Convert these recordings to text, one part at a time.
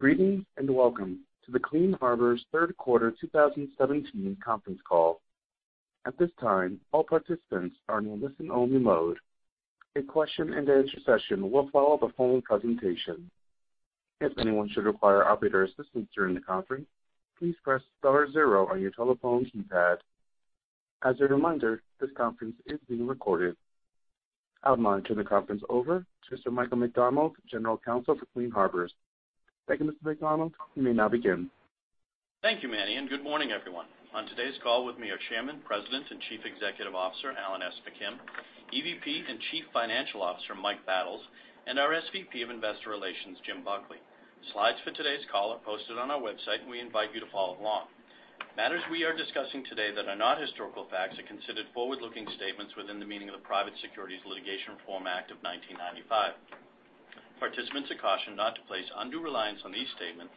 ...Greetings, and welcome to the Clean Harbors Third Quarter 2017 conference call. At this time, all participants are in a listen-only mode. A question-and-answer session will follow the phone presentation. If anyone should require operator assistance during the conference, please press star zero on your telephone keypad. As a reminder, this conference is being recorded. I'll now turn the conference over to Mr. Michael McDonald, General Counsel for Clean Harbors. Thank you, Mr. McDonald. You may now begin. Thank you, Manny, and good morning, everyone. On today's call with me are Chairman, President, and Chief Executive Officer, Alan S. McKim, EVP and Chief Financial Officer, Mike Battles, and our SVP of Investor Relations, Jim Buckley. Slides for today's call are posted on our website, and we invite you to follow along. Matters we are discussing today that are not historical facts are considered forward-looking statements within the meaning of the Private Securities Litigation Reform Act of 1995. Participants are cautioned not to place undue reliance on these statements,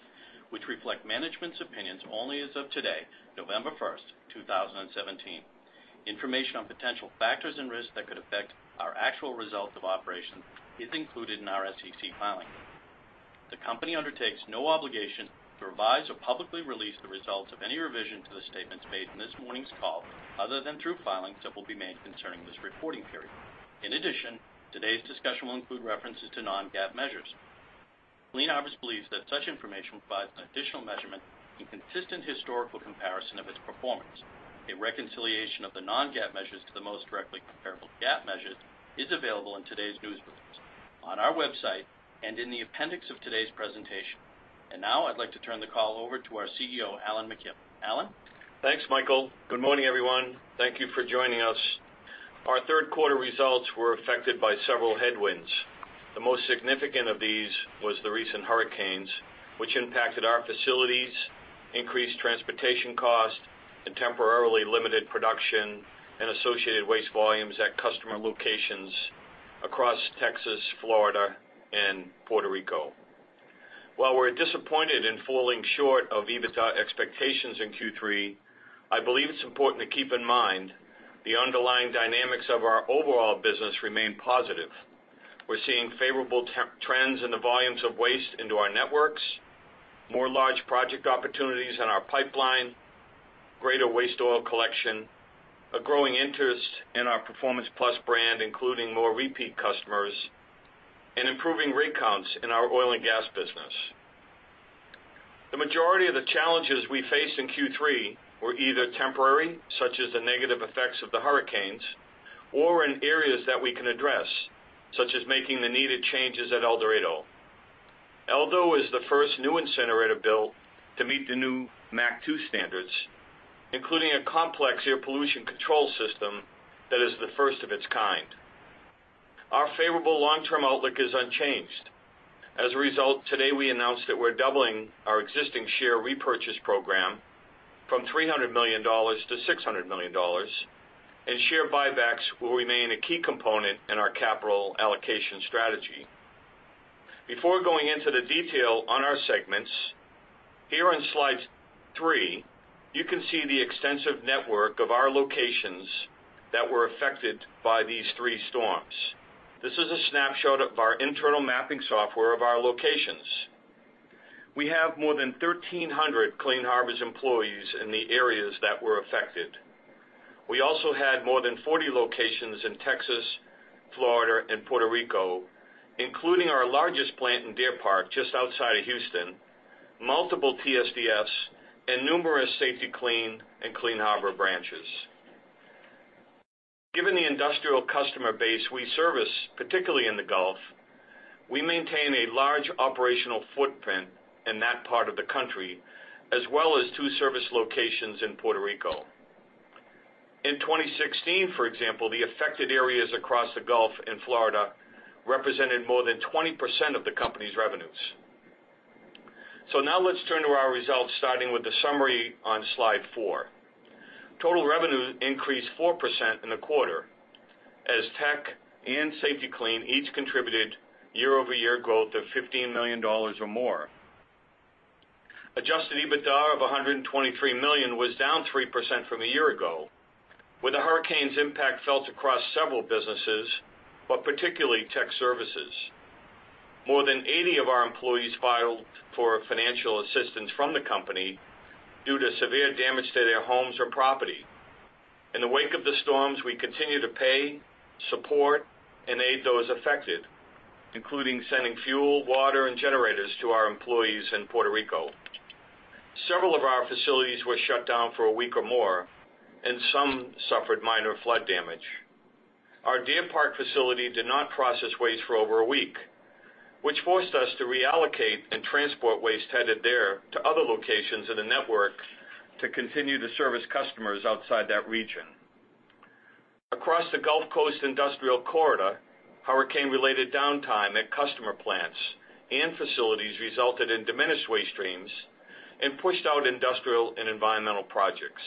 which reflect management's opinions only as of today, November 1, 2017. Information on potential factors and risks that could affect our actual results of operations is included in our SEC filing. The Company undertakes no obligation to revise or publicly release the results of any revision to the statements made in this morning's call, other than through filings that will be made concerning this reporting period. In addition, today's discussion will include references to non-GAAP measures. Clean Harbors believes that such information provides an additional measurement and consistent historical comparison of its performance. A reconciliation of the non-GAAP measures to the most directly comparable GAAP measures is available in today's news release, on our website, and in the appendix of today's presentation. Now, I'd like to turn the call over to our CEO, Alan McKim. Alan? Thanks, Michael. Good morning, everyone. Thank you for joining us. Our third quarter results were affected by several headwinds. The most significant of these was the recent hurricanes, which impacted our facilities, increased transportation costs, and temporarily limited production and associated waste volumes at customer locations across Texas, Florida, and Puerto Rico. While we're disappointed in falling short of EBITDA expectations in Q3, I believe it's important to keep in mind the underlying dynamics of our overall business remain positive. We're seeing favorable trends in the volumes of waste into our networks, more large project opportunities in our pipeline, greater waste oil collection, a growing interest in our Performance Plus brand, including more repeat customers, and improving rig counts in our oil and gas business. The majority of the challenges we faced in Q3 were either temporary, such as the negative effects of the hurricanes, or in areas that we can address, such as making the needed changes at El Dorado. Dorado is the first new incinerator built to meet the new MACT II standards, including a complex air pollution control system that is the first of its kind. Our favorable long-term outlook is unchanged. As a result, today, we announced that we're doubling our existing share repurchase program from $300 million-$600 million, and share buybacks will remain a key component in our capital allocation strategy. Before going into the detail on our segments, here on slide three, you can see the extensive network of our locations that were affected by these three storms. This is a snapshot of our internal mapping software of our locations. We have more than 1,300 Clean Harbors employees in the areas that were affected. We also had more than 40 locations in Texas, Florida, and Puerto Rico, including our largest plant in Deer Park, just outside of Houston, multiple TSDFs, and numerous Safety-Kleen and Clean Harbors branches. Given the industrial customer base we service, particularly in the Gulf, we maintain a large operational footprint in that part of the country, as well as two service locations in Puerto Rico. In 2016, for example, the affected areas across the Gulf and Florida represented more than 20% of the company's revenues. So now let's turn to our results, starting with the summary on slide four. Total revenues increased 4% in the quarter, as Tech and Safety-Kleen each contributed year-over-year growth of $15 million or more. Adjusted EBITDA of $123 million was down 3% from a year ago, with the hurricane's impact felt across several businesses, but particularly Tech Services. More than 80 of our employees filed for financial assistance from the company due to severe damage to their homes or property. In the wake of the storms, we continue to pay, support, and aid those affected, including sending fuel, water, and generators to our employees in Puerto Rico. Several of our facilities were shut down for a week or more, and some suffered minor flood damage. Our Deer Park facility did not process waste for over a week, which forced us to reallocate and transport waste headed there to other locations in the network to continue to service customers outside that region. Across the Gulf Coast industrial corridor, hurricane-related downtime at customer plants and facilities resulted in diminished waste streams and pushed out industrial and environmental projects.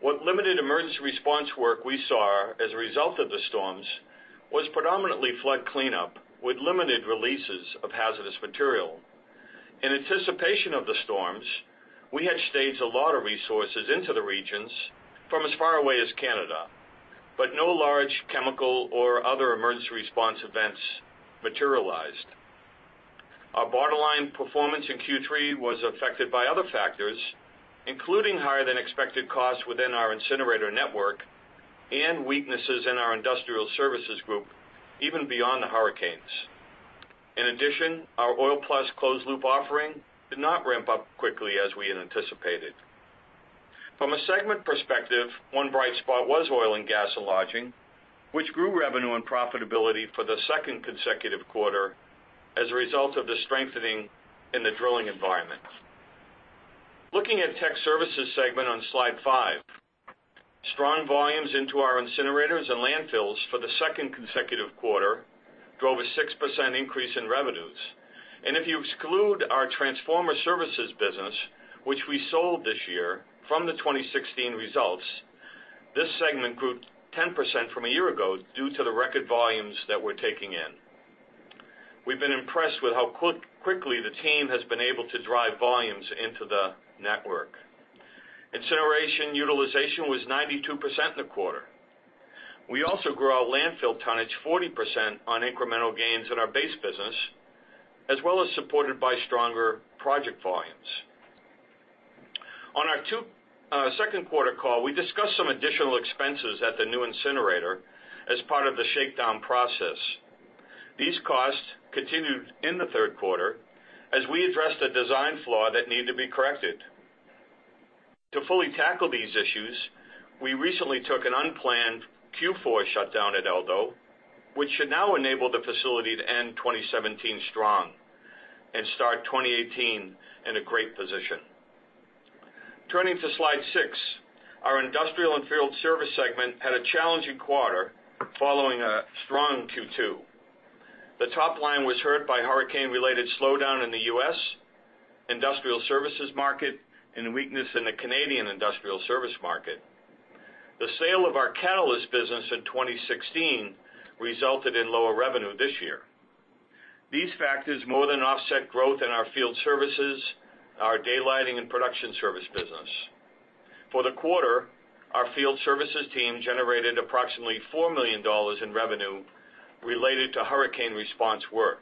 What limited emergency response work we saw as a result of the storms was predominantly flood cleanup, with limited releases of hazardous material. In anticipation of the storms, we had staged a lot of resources into the regions from as far away as Canada... but no large chemical or other emergency response events materialized. Our borderline performance in Q3 was affected by other factors, including higher than expected costs within our incinerator network and weaknesses in our industrial services group, even beyond the hurricanes. In addition, our Oil Plus closed loop offering did not ramp up quickly as we had anticipated. From a segment perspective, one bright spot was oil, gas and lodging, which grew revenue and profitability for the second consecutive quarter as a result of the strengthening in the drilling environment. Looking at tech services segment on slide five, strong volumes into our incinerators and landfills for the second consecutive quarter drove a 6% increase in revenues. If you exclude our transformer services business, which we sold this year from the 2016 results, this segment grew 10% from a year ago due to the record volumes that we're taking in. We've been impressed with how quickly the team has been able to drive volumes into the network. Incineration utilization was 92% in the quarter. We also grew our landfill tonnage 40% on incremental gains in our base business, as well as supported by stronger project volumes. On our second quarter call, we discussed some additional expenses at the new incinerator as part of the shakedown process. These costs continued in the third quarter as we addressed a design flaw that needed to be corrected. To fully tackle these issues, we recently took an unplanned Q4 shutdown at El Dorado, which should now enable the facility to end 2017 strong and start 2018 in a great position. Turning to slide six, our Industrial and Field Services segment had a challenging quarter following a strong Q2. The top line was hurt by hurricane-related slowdown in the U.S. industrial services market, and weakness in the Canadian industrial service market. The sale of our catalyst business in 2016 resulted in lower revenue this year. These factors more than offset growth in our field services, our daylighting and production service business. For the quarter, our field services team generated approximately $4 million in revenue related to hurricane response work.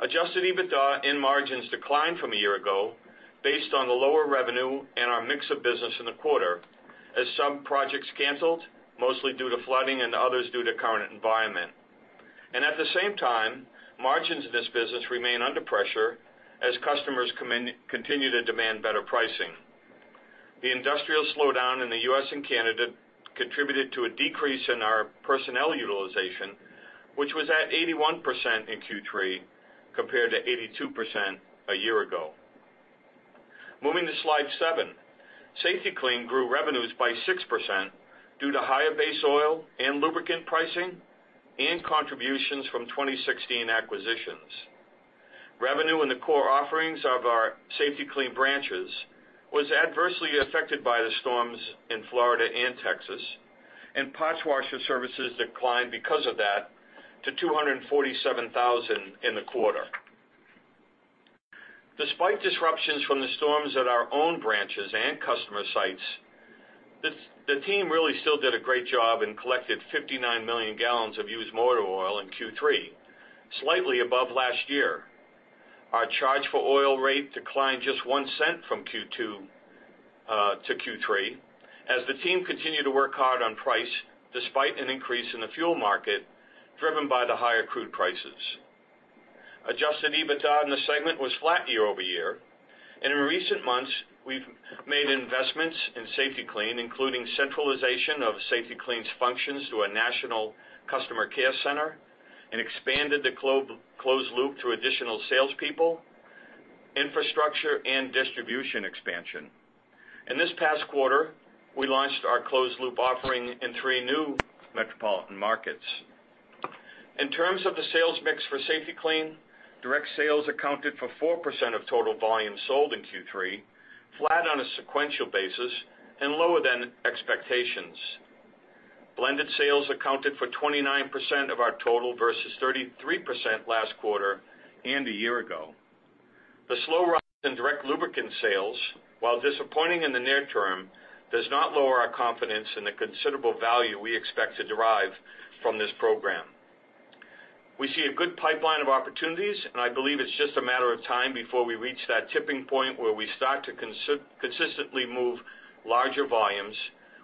Adjusted EBITDA and margins declined from a year ago based on the lower revenue and our mix of business in the quarter, as some projects canceled, mostly due to flooding and others due to current environment. And at the same time, margins in this business remain under pressure as customers continue to demand better pricing. The industrial slowdown in the U.S. and Canada contributed to a decrease in our personnel utilization, which was at 81% in Q3, compared to 82% a year ago. Moving to slide seven. Safety-Kleen grew revenues by 6% due to higher base oil and lubricant pricing and contributions from 2016 acquisitions. Revenue in the core offerings of our Safety-Kleen branches was adversely affected by the storms in Florida and Texas, and parts washer services declined because of that to $247,000 in the quarter. Despite disruptions from the storms at our own branches and customer sites, team really still did a great job and collected 59 million gallons of used motor oil in Q3, slightly above last year. Our charge for oil rate declined just $0.1 from Q2-Q3, as the team continued to work hard on price despite an increase in the fuel market, driven by the higher crude prices. Adjusted EBITDA in the segment was flat year-over-year, and in recent months, we've made investments in Safety-Kleen, including centralization of Safety-Kleen's functions to a national customer care center and expanded the global closed loop to additional salespeople, infrastructure, and distribution expansion. In this past quarter, we launched our closed loop offering in three new metropolitan markets. In terms of the sales mix for Safety-Kleen, direct sales accounted for 4% of total volumes sold in Q3, flat on a sequential basis and lower than expectations. Blended sales accounted for 29% of our total, versus 33% last quarter and a year ago. The slow rise in direct lubricant sales, while disappointing in the near term, does not lower our confidence in the considerable value we expect to derive from this program. We see a good pipeline of opportunities, and I believe it's just a matter of time before we reach that tipping point where we start to consistently move larger volumes,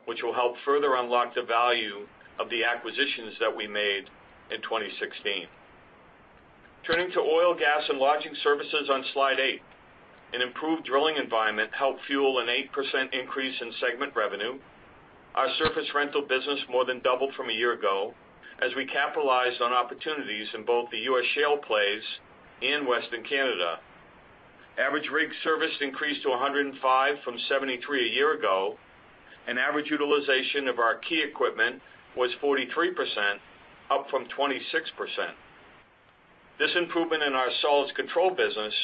which will help further unlock the value of the acquisitions that we made in 2016. Turning to oil, gas, and lodging services on slide eight. An improved drilling environment helped fuel an 8% increase in segment revenue. Our surface rental business more than doubled from a year ago, as we capitalized on opportunities in both the U.S. shale plays and Western Canada. Average rig service increased to 105 from 73 a year ago, and average utilization of our key equipment was 43%, up from 26%. This improvement in our solids control business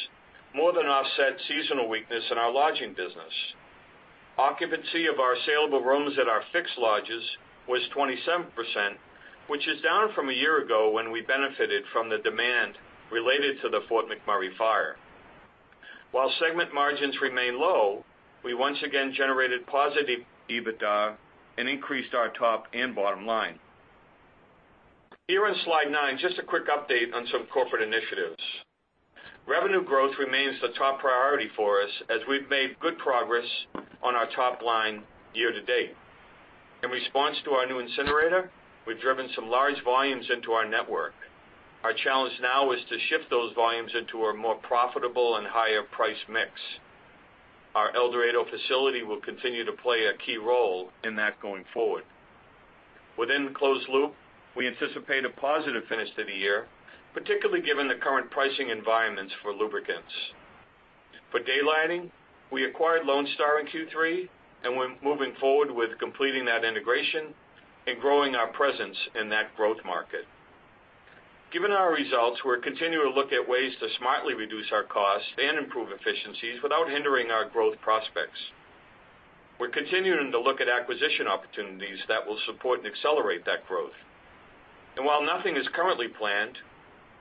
more than offset seasonal weakness in our lodging business. Occupancy of our saleable rooms at our fixed lodges was 27%, which is down from a year ago when we benefited from the demand related to the Fort McMurray fire.... While segment margins remain low, we once again generated positive EBITDA and increased our top and bottom line. Here on Slide nine, just a quick update on some corporate initiatives. Revenue growth remains the top priority for us as we've made good progress on our top line year to date. In response to our new incinerator, we've driven some large volumes into our network. Our challenge now is to shift those volumes into a more profitable and higher price mix. Our El Dorado facility will continue to play a key role in that going forward. Within the closed loop, we anticipate a positive finish to the year, particularly given the current pricing environments for lubricants. For daylighting, we acquired Lonestar in Q3, and we're moving forward with completing that integration and growing our presence in that growth market. Given our results, we're continuing to look at ways to smartly reduce our costs and improve efficiencies without hindering our growth prospects. We're continuing to look at acquisition opportunities that will support and accelerate that growth. While nothing is currently planned,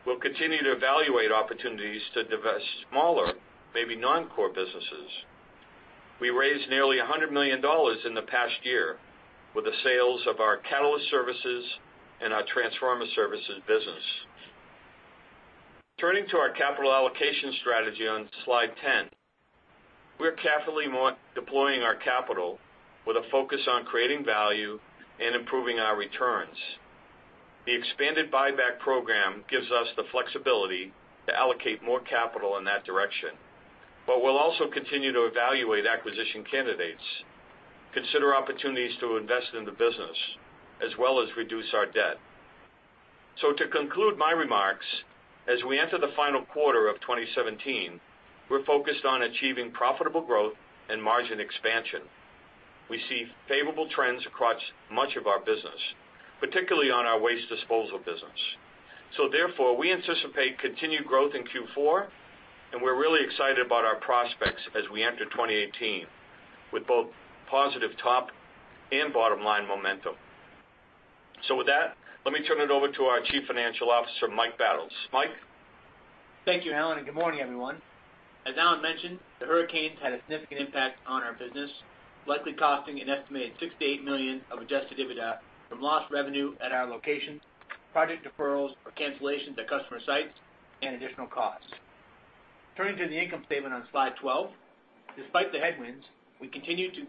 we'll continue to evaluate opportunities to divest smaller, maybe non-core businesses. We raised nearly $100 million in the past year with the sales of our catalyst services and our transformer services business. Turning to our capital allocation strategy on Slide 10. We are carefully deploying our capital with a focus on creating value and improving our returns. The expanded buyback program gives us the flexibility to allocate more capital in that direction, but we'll also continue to evaluate acquisition candidates, consider opportunities to invest in the business, as well as reduce our debt. So to conclude my remarks, as we enter the final quarter of 2017, we're focused on achieving profitable growth and margin expansion. We see favorable trends across much of our business, particularly on our waste disposal business. So therefore, we anticipate continued growth in Q4, and we're really excited about our prospects as we enter 2018, with both positive top and bottom line momentum. So with that, let me turn it over to our Chief Financial Officer, Mike Battles. Mike? Thank you, Alan, and good morning, everyone. As Alan mentioned, the hurricanes had a significant impact on our business, likely costing an estimated $68 million of Adjusted EBITDA from lost revenue at our location, project deferrals or cancellations at customer sites, and additional costs. Turning to the income statement on Slide 12. Despite the headwinds, we continued to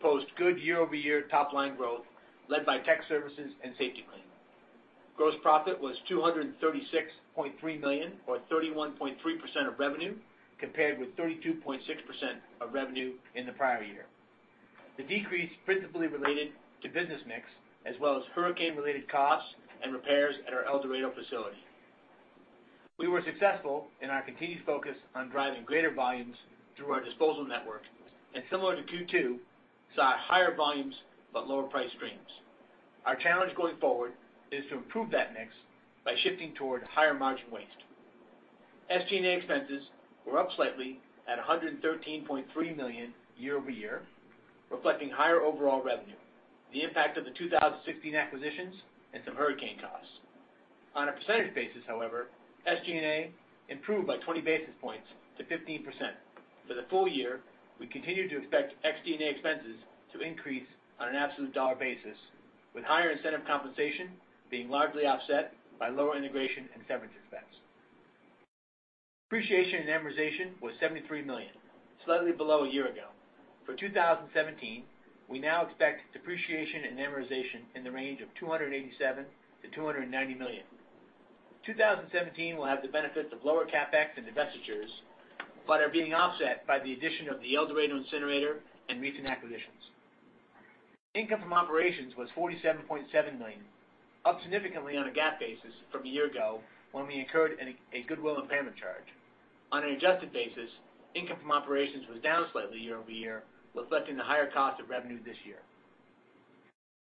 post good year-over-year top line growth, led by tech services and Safety-Kleen. Gross profit was $236.3 million, or 31.3% of revenue, compared with 32.6% of revenue in the prior year. The decrease principally related to business mix, as well as hurricane-related costs and repairs at our El Dorado facility. We were successful in our continued focus on driving greater volumes through our disposal network, and similar to Q2, saw higher volumes but lower price streams. Our challenge going forward is to improve that mix by shifting toward higher-margin waste. SG&A expenses were up slightly at $113.3 million year over year, reflecting higher overall revenue, the impact of the 2016 acquisitions, and some hurricane costs. On a percentage basis, however, SG&A improved by 20 basis points to 15%. For the full year, we continue to expect SG&A expenses to increase on an absolute dollar basis, with higher incentive compensation being largely offset by lower integration and severance expense. Depreciation and amortization was $73 million, slightly below a year ago. For 2017, we now expect depreciation and amortization in the range of $287 million-$290 million. 2017 will have the benefits of lower CapEx and divestitures, but are being offset by the addition of the El Dorado incinerator and recent acquisitions. Income from operations was $47.7 million, up significantly on a GAAP basis from a year ago, when we incurred a goodwill impairment charge. On an adjusted basis, income from operations was down slightly year-over-year, reflecting the higher cost of revenue this year.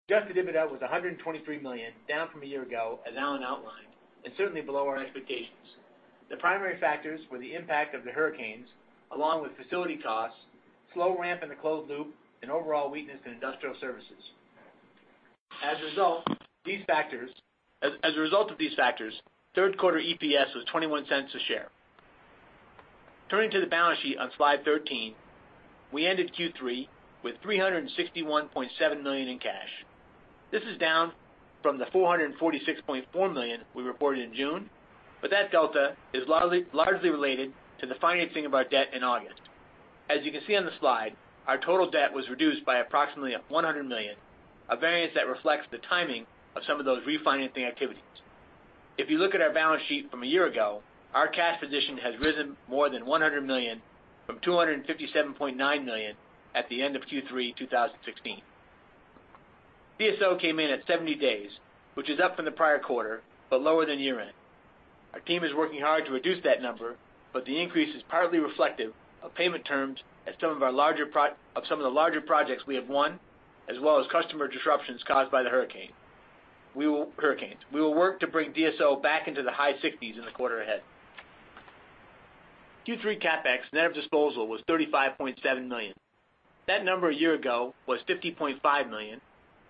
Adjusted EBITDA was $123 million, down from a year ago, as Alan outlined, and certainly below our expectations. The primary factors were the impact of the hurricanes, along with facility costs, slow ramp in the closed loop, and overall weakness in industrial services. As a result of these factors, third quarter EPS was $0.21 a share. Turning to the balance sheet on Slide 13, we ended Q3 with $361.7 million in cash. This is down from the $446.4 million we reported in June, but that delta is largely, largely related to the financing of our debt in August. As you can see on the slide, our total debt was reduced by approximately $100 million, a variance that reflects the timing of some of those refinancing activities. If you look at our balance sheet from a year ago, our cash position has risen more than $100 million from $257.9 million at the end of Q3 2016. DSO came in at 70 days, which is up from the prior quarter, but lower than year-end. Our team is working hard to reduce that number, but the increase is partly reflective of payment terms at some of our larger of some of the larger projects we have won, as well as customer disruptions caused by the hurricanes. We will work to bring DSO back into the high sixties in the quarter ahead. Q3 CapEx, net of disposal, was $35.7 million. That number a year ago was $50.5 million,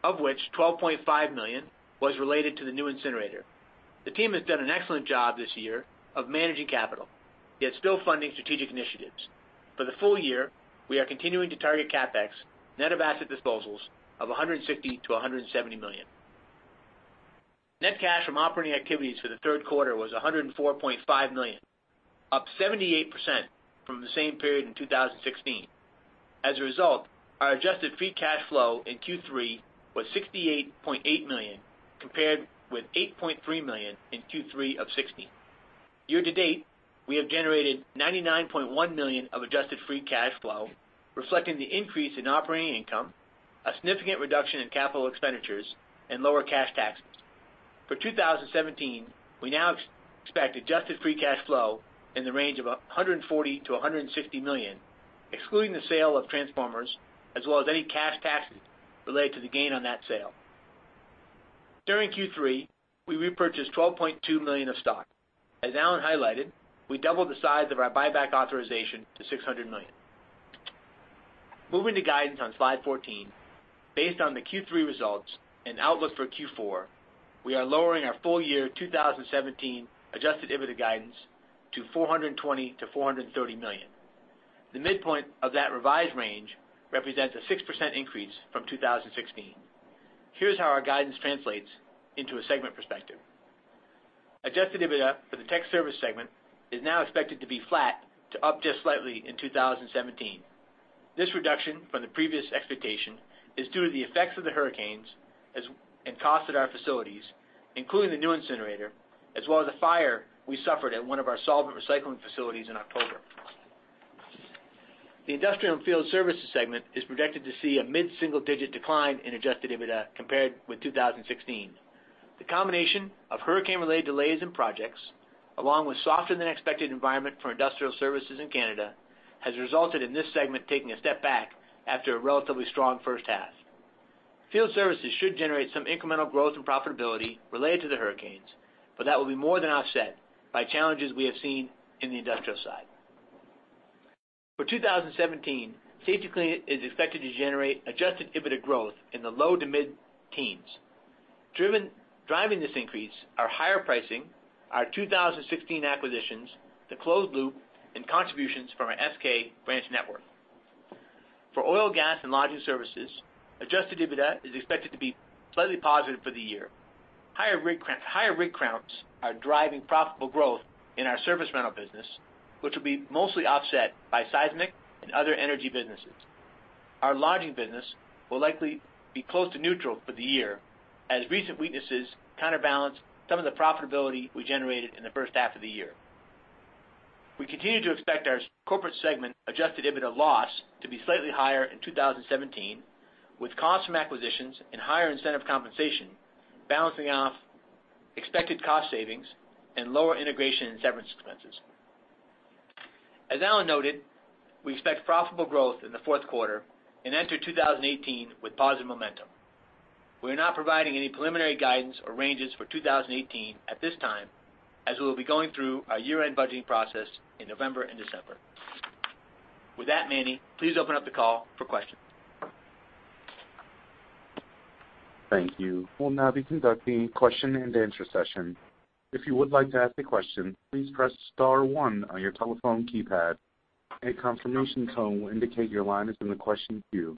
of which $12.5 million was related to the new incinerator. The team has done an excellent job this year of managing capital, yet still funding strategic initiatives. For the full year, we are continuing to target CapEx, net of asset disposals, of $160 million-$170 million. Net cash from operating activities for the third quarter was $104.5 million, up 78% from the same period in 2016. As a result, our adjusted free cash flow in Q3 was $68.8 million, compared with $8.3 million in Q3 of 2016. Year to date, we have generated $99.1 million of adjusted free cash flow, reflecting the increase in operating income, a significant reduction in capital expenditures, and lower cash taxes. For 2017, we now expect adjusted free cash flow in the range of $140 million-$160 million, excluding the sale of Transformers, as well as any cash taxes related to the gain on that sale. During Q3, we repurchased $12.2 million of stock. As Alan highlighted, we doubled the size of our buyback authorization to $600 million. Moving to guidance on slide 14. Based on the Q3 results and outlook for Q4, we are lowering our full year 2017 adjusted EBITDA guidance to $420 million-$430 million. The midpoint of that revised range represents a 6% increase from 2016. Here's how our guidance translates into a segment perspective. Adjusted EBITDA for the Tech Service segment is now expected to be flat to up just slightly in 2017. This reduction from the previous expectation is due to the effects of the hurricanes and costs at our facilities, including the new incinerator, as well as a fire we suffered at one of our solvent recycling facilities in October. The Industrial and Field Services segment is projected to see a mid-single-digit decline in adjusted EBITDA compared with 2016. The combination of hurricane-related delays in projects, along with softer-than-expected environment for industrial services in Canada, has resulted in this segment taking a step back after a relatively strong first half. Field services should generate some incremental growth and profitability related to the hurricanes, but that will be more than offset by challenges we have seen in the industrial side. For 2017, Safety-Kleen is expected to generate adjusted EBITDA growth in the low to mid-teens. Driving this increase are higher pricing, our 2016 acquisitions, the closed loop, and contributions from our SK branch network. For Oil, Gas and Lodging Services, adjusted EBITDA is expected to be slightly positive for the year. Higher rig counts are driving profitable growth in our service rental business, which will be mostly offset by seismic and other energy businesses. Our lodging business will likely be close to neutral for the year, as recent weaknesses counterbalance some of the profitability we generated in the first half of the year. We continue to expect our corporate segment Adjusted EBITDA loss to be slightly higher in 2017, with costs from acquisitions and higher incentive compensation balancing off expected cost savings and lower integration and severance expenses. As Alan noted, we expect profitable growth in the fourth quarter and enter 2018 with positive momentum. We are not providing any preliminary guidance or ranges for 2018 at this time, as we will be going through our year-end budgeting process in November and December. With that, Manny, please open up the call for questions. Thank you. We'll now be conducting question and answer session. If you would like to ask a question, please press star one on your telephone keypad. A confirmation tone will indicate your line is in the question queue.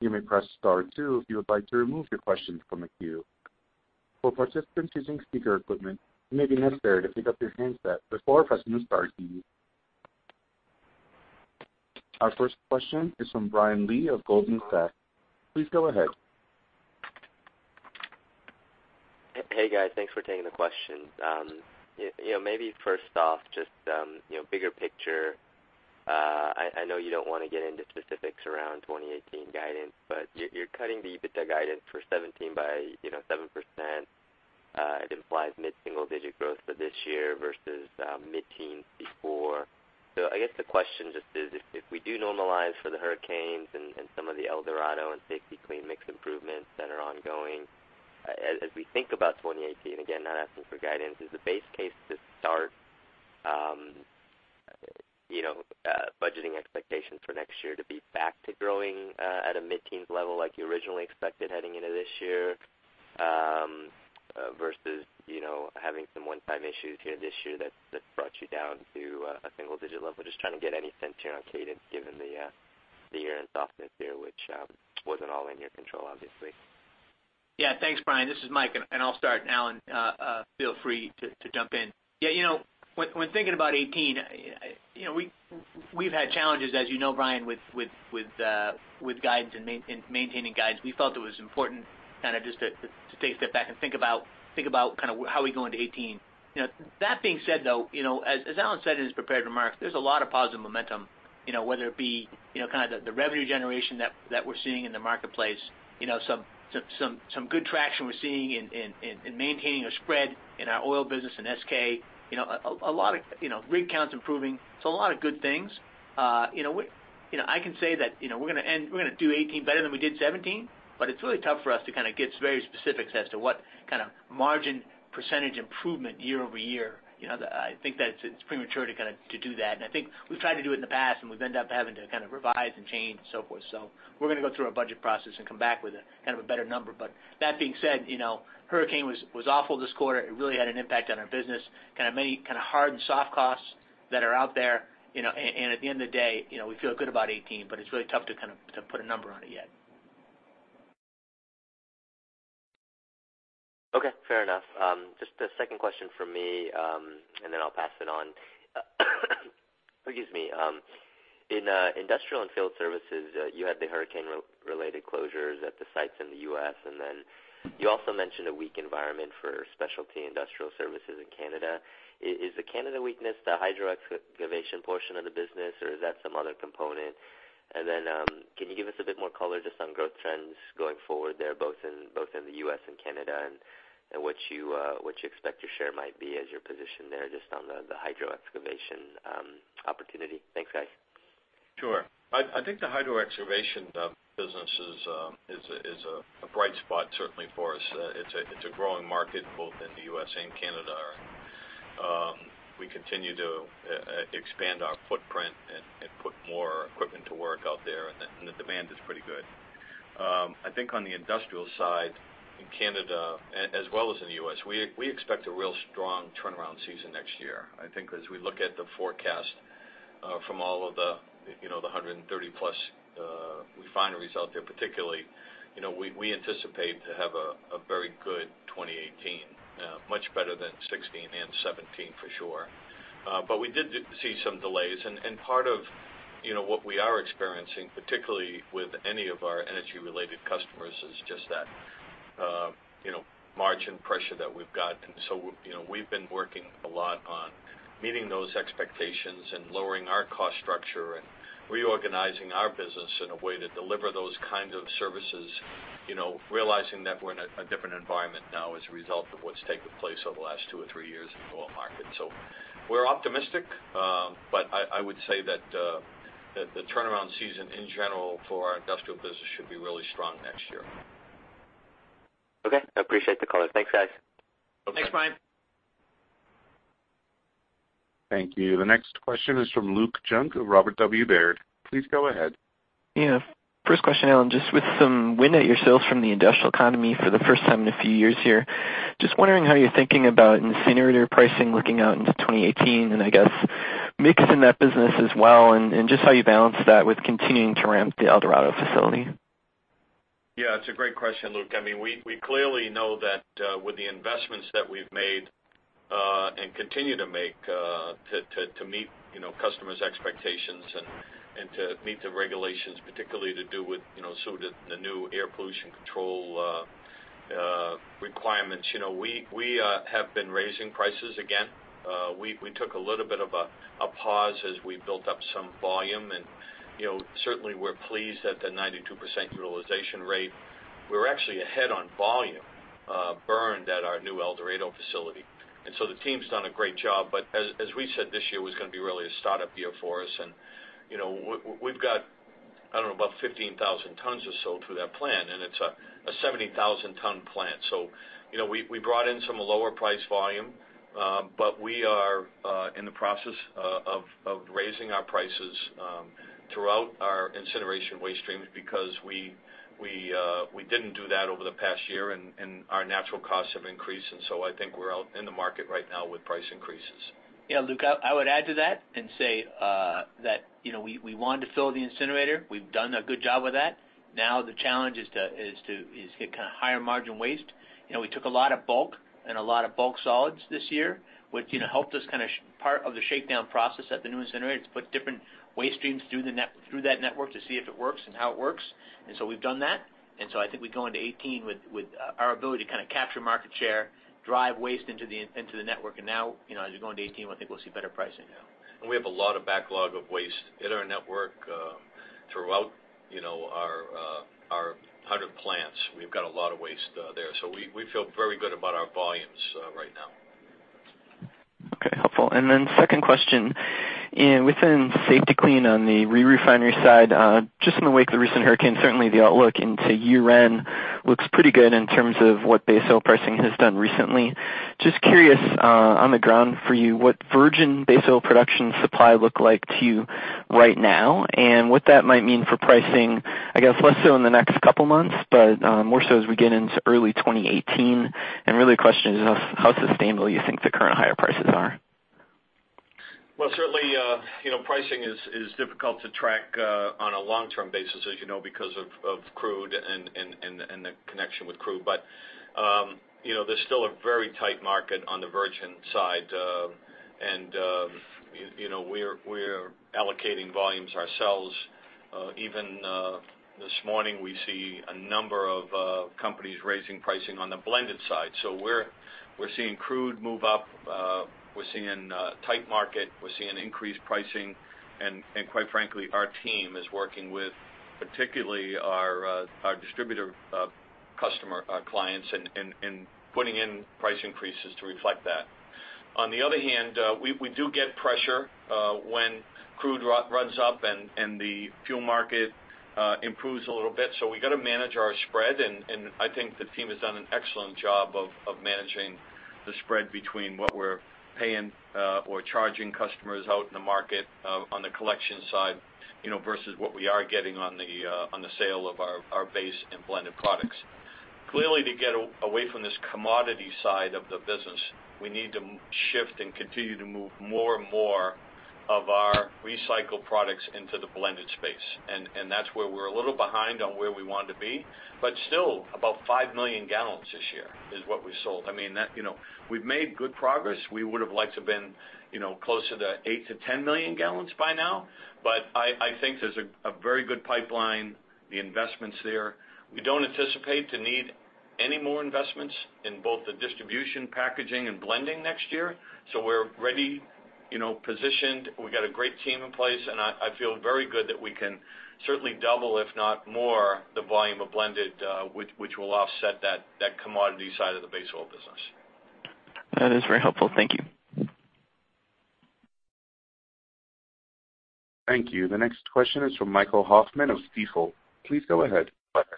You may press star two if you would like to remove your question from the queue. For participants using speaker equipment, it may be necessary to pick up your handset before pressing star two. Our first question is from Brian Lee of Goldman Sachs. Please go ahead. Hey, guys. Thanks for taking the questions. You know, maybe first off, just, you know, bigger picture. I know you don't wanna get into specifics around 2018 guidance, but you're cutting the EBITDA guidance for 2017 by 7%. It implies mid-single-digit growth for this year versus mid-teens before. So I guess the question just is, if we do normalize for the hurricanes and some of the El Dorado and Safety-Kleen mix improvements that are ongoing, as we think about 2018, again, not asking for guidance, is the base case to start, you know, budgeting expectations for next year to be back to growing at a mid-teens level like you originally expected heading into this year, versus, you know, having some one-time issues here this year that brought you down to a single-digit level? Just trying to get any sense here on cadence, given the year-end softness here, which wasn't all in your control, obviously. Yeah. Thanks, Brian. This is Mike, and I'll start, Alan, feel free to jump in. Yeah, you know, when thinking about 2018, you know, we've had challenges, as you know, Brian, with guidance and maintaining guidance. We felt it was important kind of just to take a step back and think about how we go into 2018. You know, that being said, though, you know, as Alan said in his prepared remarks, there's a lot of positive momentum, you know, whether it be, you know, kind of the revenue generation that we're seeing in the marketplace, you know, some good traction we're seeing in maintaining a spread in our oil business in SK. You know, a lot of, you know, rig counts improving. So a lot of good things. You know, I can say that, you know, we're gonna end—we're gonna do 2018 better than we did 2017, but it's really tough for us to kind of get very specifics as to what kind of margin percentage improvement year over year. You know, the, I think that it's, it's premature to kind of to do that. And I think we've tried to do it in the past, and we've ended up having to kind of revise and change and so forth. So we're gonna go through our budget process and come back with a, kind of a better number. But that being said, you know, hurricane was, was awful this quarter. It really had an impact on our business, kind of many, kind of hard and soft costs that are out there, you know, and, and at the end of the day, you know, we feel good about 2018, but it's really tough to kind of- to put a number on it yet. Okay, fair enough. Just a second question from me, and then I'll pass it on. Excuse me. In industrial and field services, you had the hurricane-related closures at the sites in the U.S., and then you also mentioned a weak environment for specialty industrial services in Canada. Is the Canada weakness the hydro excavation portion of the business, or is that some other component? And then, can you give us a bit more color just on growth trends going forward there, both in the U.S. and Canada, and what you expect your share might be as you're positioned there, just on the hydro excavation opportunity? Thanks, guys. Sure. I think the hydro excavation business is a bright spot certainly for us. It's a growing market, both in the U.S. and Canada. We continue to expand our footprint and put more equipment to work out there, and the demand is pretty good. I think on the industrial side, in Canada, as well as in the U.S., we expect a real strong turnaround season next year. I think as we look at the forecast from all of the, you know, the 130 plus refineries out there, particularly, you know, we anticipate to have a very good 2018, much better than 2016 and 2017, for sure. But we did see some delays, and part of what we are experiencing, particularly with any of our energy-related customers, is just that, you know, margin pressure that we've got. And so, you know, we've been working a lot on meeting those expectations and lowering our cost structure and reorganizing our business in a way to deliver those kinds of services, you know, realizing that we're in a different environment now as a result of what's taken place over the last two or three years in the oil market. So we're optimistic, but I would say that the turnaround season, in general, for our industrial business should be really strong next year. Okay. I appreciate the color. Thanks, guys. Thanks, Brian. Thank you. The next question is from Luke Junk of Robert W. Baird. Please go ahead. Yeah. First question, Alan, just with some wind at your sails from the industrial economy for the first time in a few years here, just wondering how you're thinking about incinerator pricing looking out into 2018, and I guess, mix in that business as well, and, and just how you balance that with continuing to ramp the El Dorado facility? Yeah, it's a great question, Luke. I mean, we clearly know that with the investments that we've made and continue to make to meet, you know, customers' expectations and to meet the regulations, particularly to do with, you know, the new air pollution control requirements. You know, we have been raising prices again. We took a little bit of a pause as we built up some volume, and, you know, certainly we're pleased at the 92% utilization rate. We're actually ahead on volume burned at our new El Dorado facility, and so the team's done a great job. But as we said, this year was gonna be really a startup year for us. And, you know, we've got, I don't know, about 15,000 tons or so through that plant, and it's a 70,000-ton plant. So, you know, we brought in some lower price volume, but we are in the process of raising our prices throughout our incineration waste streams because we didn't do that over the past year, and our natural costs have increased. And so I think we're out in the market right now with price increases. Yeah, Luke, I would add to that and say that, you know, we wanted to fill the incinerator. We've done a good job with that. Now, the challenge is to get kind of higher margin waste. You know, we took a lot of bulk and a lot of bulk solids this year, which, you know, helped us kind of part of the shakedown process at the new incinerator, to put different waste streams through that network to see if it works and how it works. And so we've done that. And so I think we go into 2018 with our ability to kind of capture market share, drive waste into the network, and now, you know, as we go into 2018, I think we'll see better pricing. Yeah. We have a lot of backlog of waste in our network throughout, you know, our 100 plants. We've got a lot of waste there, so we feel very good about our volumes right now. Okay, helpful. And then second question, and within Safety-Kleen, on the re-refinery side, just in the wake of the recent hurricane, certainly the outlook into year-end looks pretty good in terms of what base oil pricing has done recently. Just curious, on the ground for you, what virgin base oil production supply look like to you right now? And what that might mean for pricing, I guess, less so in the next couple months, but, more so as we get into early 2018? And really the question is, how, how sustainable you think the current higher prices are? Well, certainly, you know, pricing is difficult to track on a long-term basis, as you know, because of crude and the connection with crude. But, you know, there's still a very tight market on the virgin side. You know, we're allocating volumes ourselves. This morning, we see a number of companies raising pricing on the blended side. So we're seeing crude move up, we're seeing a tight market, we're seeing increased pricing, and quite frankly, our team is working with, particularly our distributor customer clients, in putting in price increases to reflect that.... On the other hand, we do get pressure when crude runs up and the fuel market improves a little bit. So we got to manage our spread, and I think the team has done an excellent job of managing the spread between what we're paying or charging customers out in the market on the collection side, you know, versus what we are getting on the sale of our base and blended products. Clearly, to get away from this commodity side of the business, we need to shift and continue to move more and more of our recycled products into the blended space. And that's where we're a little behind on where we want to be. But still, about 5 million gallons this year is what we sold. I mean, that, you know... We've made good progress. We would have liked to have been, you know, closer to 8-10 million gal by now, but I, I think there's a, a very good pipeline, the investment's there. We don't anticipate to need any more investments in both the distribution, packaging, and blending next year. So we're ready, you know, positioned. We got a great team in place, and I, I feel very good that we can certainly double, if not more, the volume of blended, which, which will offset that, that commodity side of the base oil business. That is very helpful. Thank you. Thank you. The next question is from Michael Hoffman of Stifel. Please go ahead, Michael.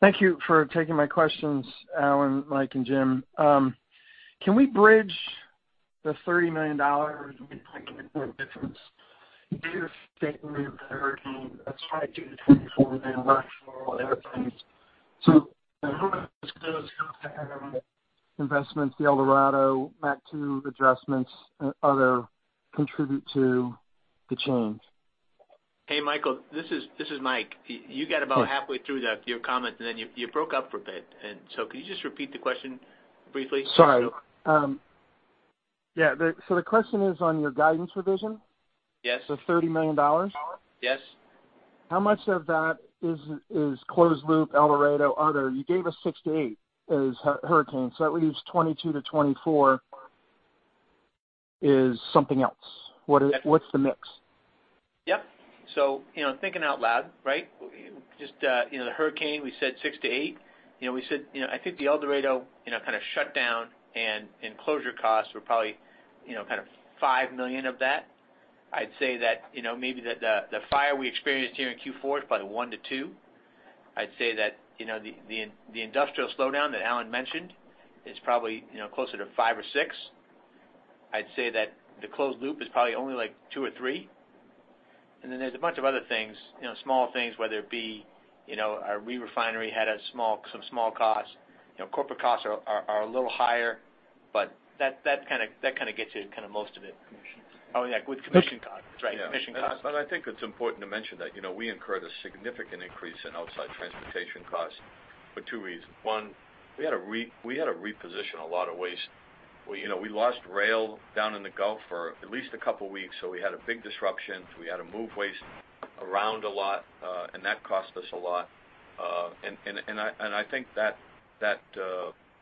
Thank you for taking my questions, Alan, Mike, and Jim. Can we bridge the $30 million difference? You stated that hurricane, that's why $22 million-$24 million, everything. So how much does closed loop, investments, the El Dorado, MACT II adjustments, and other contribute to the change? Hey, Michael, this is Mike. Hey. You got about halfway through your comment, and then you, you broke up for a bit. And so could you just repeat the question briefly? Sorry. Yeah, so the question is on your guidance revision? Yes. The $30 million? Yes. How much of that is closed loop, El Dorado, other? You gave us 6-8 as hurricane, so that leaves 22-24 is something else. What's the mix? Yep. So, you know, thinking out loud, right? Just, you know, the hurricane, we said $6 million-$8 million. You know, I think the El Dorado kind of shut down and closure costs were probably, you know, kind of $5 million of that. I'd say that, you know, maybe the fire we experienced here in Q4 is probably $1 million-$2 million. I'd say that, you know, the industrial slowdown that Alan mentioned is probably, you know, closer to $5 million or $6 million. I'd say that the closed loop is probably only, like, $2 million or $3 million. And then there's a bunch of other things, you know, small things, whether it be, you know, our re-refinery had some small costs. You know, corporate costs are a little higher, but that kind of gets you to kind of most of it. Commissions. Oh, yeah, with commission costs. Right, commission costs. Yeah. But I think it's important to mention that, you know, we incurred a significant increase in outside transportation costs for two reasons: One, we had to reposition a lot of waste. We, you know, we lost rail down in the Gulf for at least a couple of weeks, so we had a big disruption. We had to move waste around a lot, and that cost us a lot. And I think that,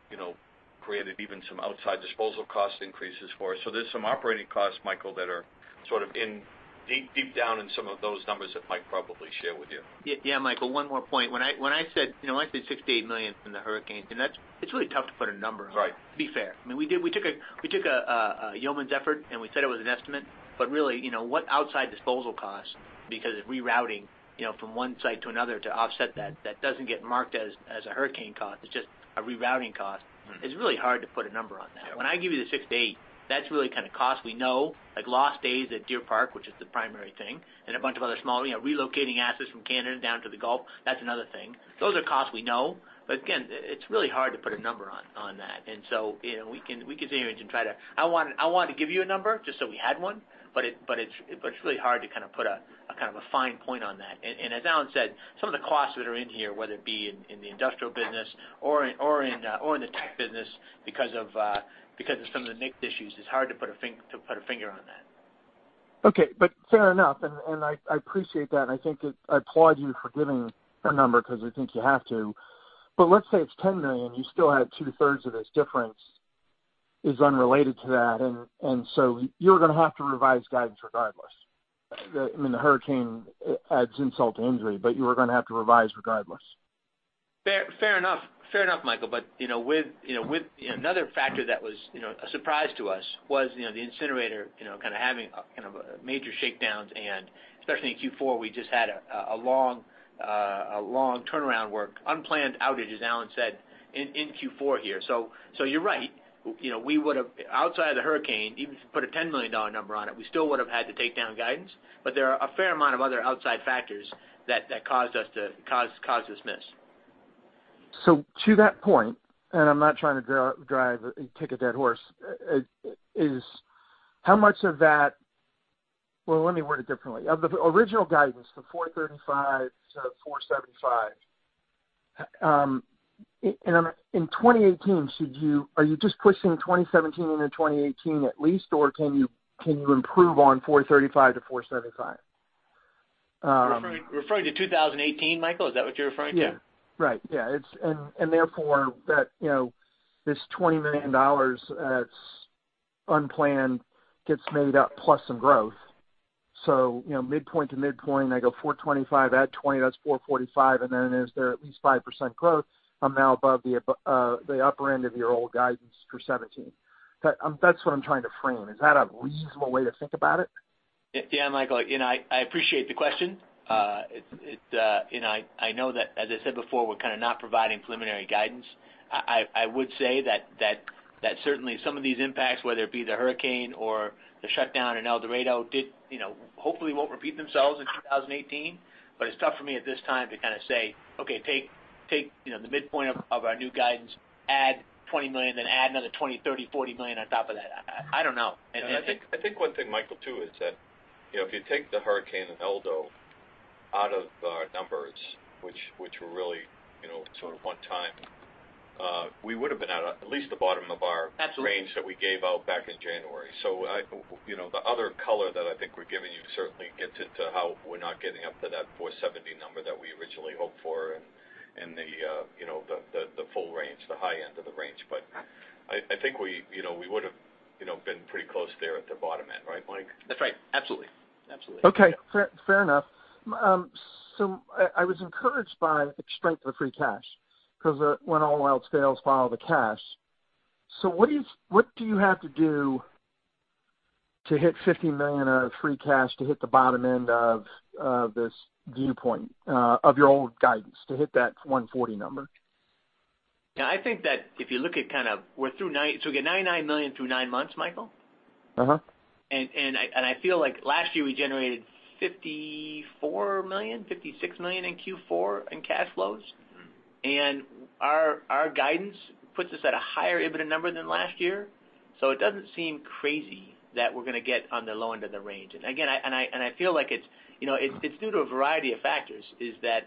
you know, created even some outside disposal cost increases for us. So there's some operating costs, Michael, that are sort of in deep, deep down in some of those numbers that Mike probably share with you. Yeah, yeah, Michael, one more point. When I, when I said, you know, I said $6 million-$8 million from the hurricane, and that's. It's really tough to put a number on it- Right. To be fair. I mean, we did. We took a yeoman's effort, and we said it was an estimate, but really, you know, what outside disposal costs, because of rerouting, you know, from one site to another to offset that, that doesn't get marked as a hurricane cost, it's just a rerouting cost. Mm-hmm. It's really hard to put a number on that. Yeah. When I give you the $6-$8, that's really kind of costs we know, like lost days at Deer Park, which is the primary thing, and a bunch of other small... You know, relocating assets from Canada down to the Gulf, that's another thing. Those are costs we know. But again, it's really hard to put a number on, on that. And so, you know, we can, we can continue to try to... I wanted, I wanted to give you a number just so we had one, but it-- but it's, but it's really hard to kind of put a, a kind of a fine point on that. As Alan said, some of the costs that are in here, whether it be in the industrial business or in the tech business because of some of the mixed issues, it's hard to put a finger on that. Okay, but fair enough, and I appreciate that, and I think it—I applaud you for giving a number because I think you have to. But let's say it's $10 million, you still have two-thirds of this difference is unrelated to that, and so you're gonna have to revise guidance regardless. I mean, the hurricane adds insult to injury, but you were gonna have to revise regardless. Fair, fair enough. Fair enough, Michael. But, you know, with, you know, with, another factor that was, you know, a surprise to us was, you know, the incinerator, you know, kind of having, kind of, major shakedowns, and especially in Q4, we just had a, a long, a long turnaround work, unplanned outage, as Alan said, in, in Q4 here. So, so you're right. You know, we would have... Outside of the hurricane, even if you put a $10 million number on it, we still would have had to take down guidance, but there are a fair amount of other outside factors that, that caused us to, caused, caused this miss. So to that point, and I'm not trying to beat a dead horse, is how much of that... Well, let me word it differently. Of the original guidance, the $435-$475 in 2018, are you just pushing 2017 into 2018 at least, or can you improve on $435-$475? You're referring to 2018, Michael? Is that what you're referring to? Yeah. Right. Yeah, it's... And therefore, that, you know, this $20 million that's unplanned gets made up plus some growth... so, you know, midpoint to midpoint, I go $425, add $20, that's $445, and then is there at least 5% growth, I'm now above the upper end of your old guidance for 2017. But that's what I'm trying to frame. Is that a reasonable way to think about it? Yeah, Michael, you know, I appreciate the question. It's, it, you know, I know that, as I said before, we're kind of not providing preliminary guidance. I would say that certainly some of these impacts, whether it be the hurricane or the shutdown in El Dorado, did, you know, hopefully, won't repeat themselves in 2018. But it's tough for me at this time to kind of say, "Okay, take, you know, the midpoint of our new guidance, add $20 million, then add another $20-$40 million on top of that." I don't know. I think one thing, Michael, too, is that, you know, if you take the hurricane and Eldo out of our numbers, which were really, you know, sort of one time, we would've been at a, at least the bottom of our- Absolutely... range that we gave out back in January. So I, you know, the other color that I think we're giving you certainly gets into how we're not getting up to that $470 number that we originally hoped for in the full range, the high end of the range. But- Yeah... I think we, you know, we would've, you know, been pretty close there at the bottom end. Right, Mike? That's right. Absolutely. Absolutely. Okay. Fair, fair enough. So I was encouraged by the strength of the free cash, 'cause when all else fails, follow the cash. So what do you have to do to hit $50 million of free cash to hit the bottom end of this viewpoint of your old guidance, to hit that $140 million number? Yeah, I think that if you look at kind of... We're through nine, so we get $99 million through 9 months, Michael. Uh-huh. I feel like last year, we generated $54 million-$56 million in Q4 in cash flows. And our guidance puts us at a higher EBITDA number than last year, so it doesn't seem crazy that we're gonna get on the low end of the range. And again, I feel like it's, you know, it's due to a variety of factors, that,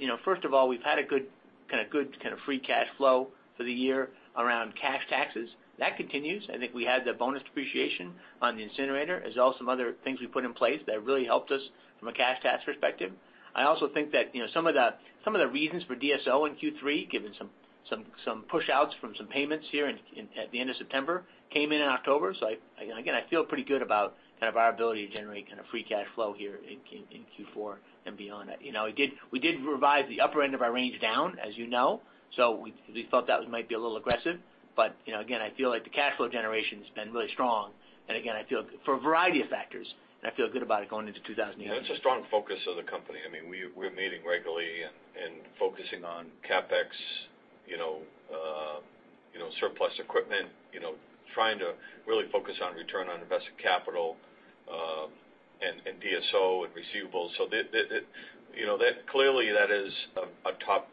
you know, first of all, we've had a good, kind of good kind of free cash flow for the year around cash taxes. That continues. I think we had the bonus depreciation on the incinerator. There's also some other things we put in place that really helped us from a cash tax perspective. I also think that, you know, some of the reasons for DSO in Q3, given some push outs from some payments here in at the end of September, came in in October. So I again feel pretty good about kind of our ability to generate kind of free cash flow here in Q4 and beyond that. You know, we did revise the upper end of our range down, as you know, so we thought that might be a little aggressive, but, you know, again, I feel like the cash flow generation's been really strong. And again, for a variety of factors, I feel good about it going into 2018. Well, it's a strong focus of the company. I mean, we're meeting regularly and focusing on CapEx, you know, surplus equipment, you know, trying to really focus on return on invested capital, and DSO and receivables. So, you know, that clearly is a top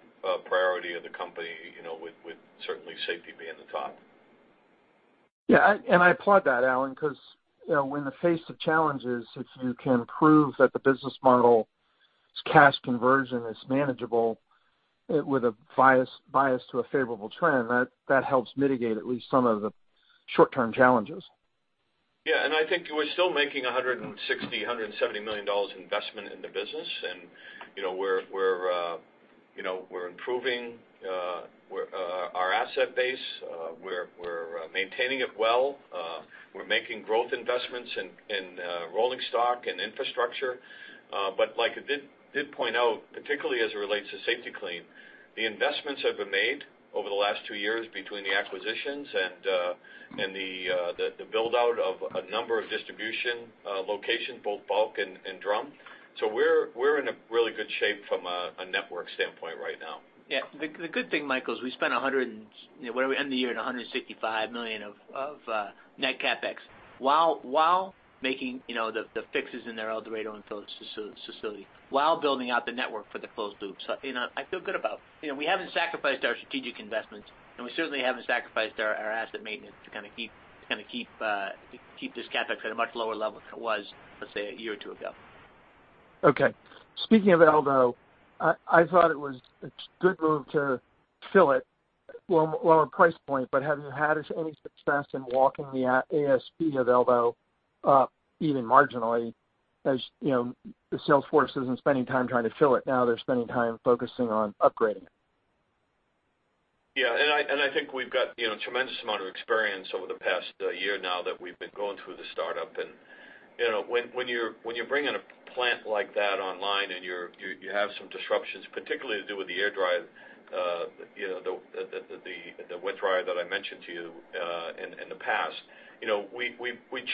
priority of the company, you know, with certainly safety being the top. Yeah, and I applaud that, Alan, 'cause, you know, when faced with challenges, if you can prove that the business model's cash conversion is manageable with a bias to a favorable trend, that helps mitigate at least some of the short-term challenges. Yeah, and I think we're still making $160-$170 million investment in the business. And, you know, we're improving our asset base, we're maintaining it well. We're making growth investments in rolling stock and infrastructure. But like I did point out, particularly as it relates to Safety-Kleen, the investments have been made over the last two years between the acquisitions and the build-out of a number of distribution locations, both bulk and drum. So we're in a really good shape from a network standpoint right now. Yeah. The good thing, Michael, is we spent $100 and, you know, when we end the year, at $165 million of net CapEx, while making, you know, the fixes in our El Dorado and Phyllis facility, while building out the network for the closed loop. So, you know, I feel good about... You know, we haven't sacrificed our strategic investments, and we certainly haven't sacrificed our asset maintenance to kind of keep this CapEx at a much lower level than it was, let's say, a year or two ago. Okay. Speaking of El Dorado, I thought it was a good move to fill it. Well, lower price point, but have you had any success in walking the ASP of El Dorado up, even marginally, as, you know, the sales force isn't spending time trying to fill it, now they're spending time focusing on upgrading it? Yeah, I think we've got, you know, a tremendous amount of experience over the past year now that we've been going through the startup. And, you know, when you're bringing a plant like that online, and you have some disruptions, particularly to do with the spray dryer, you know, the spray dryer that I mentioned to you in the past, you know, we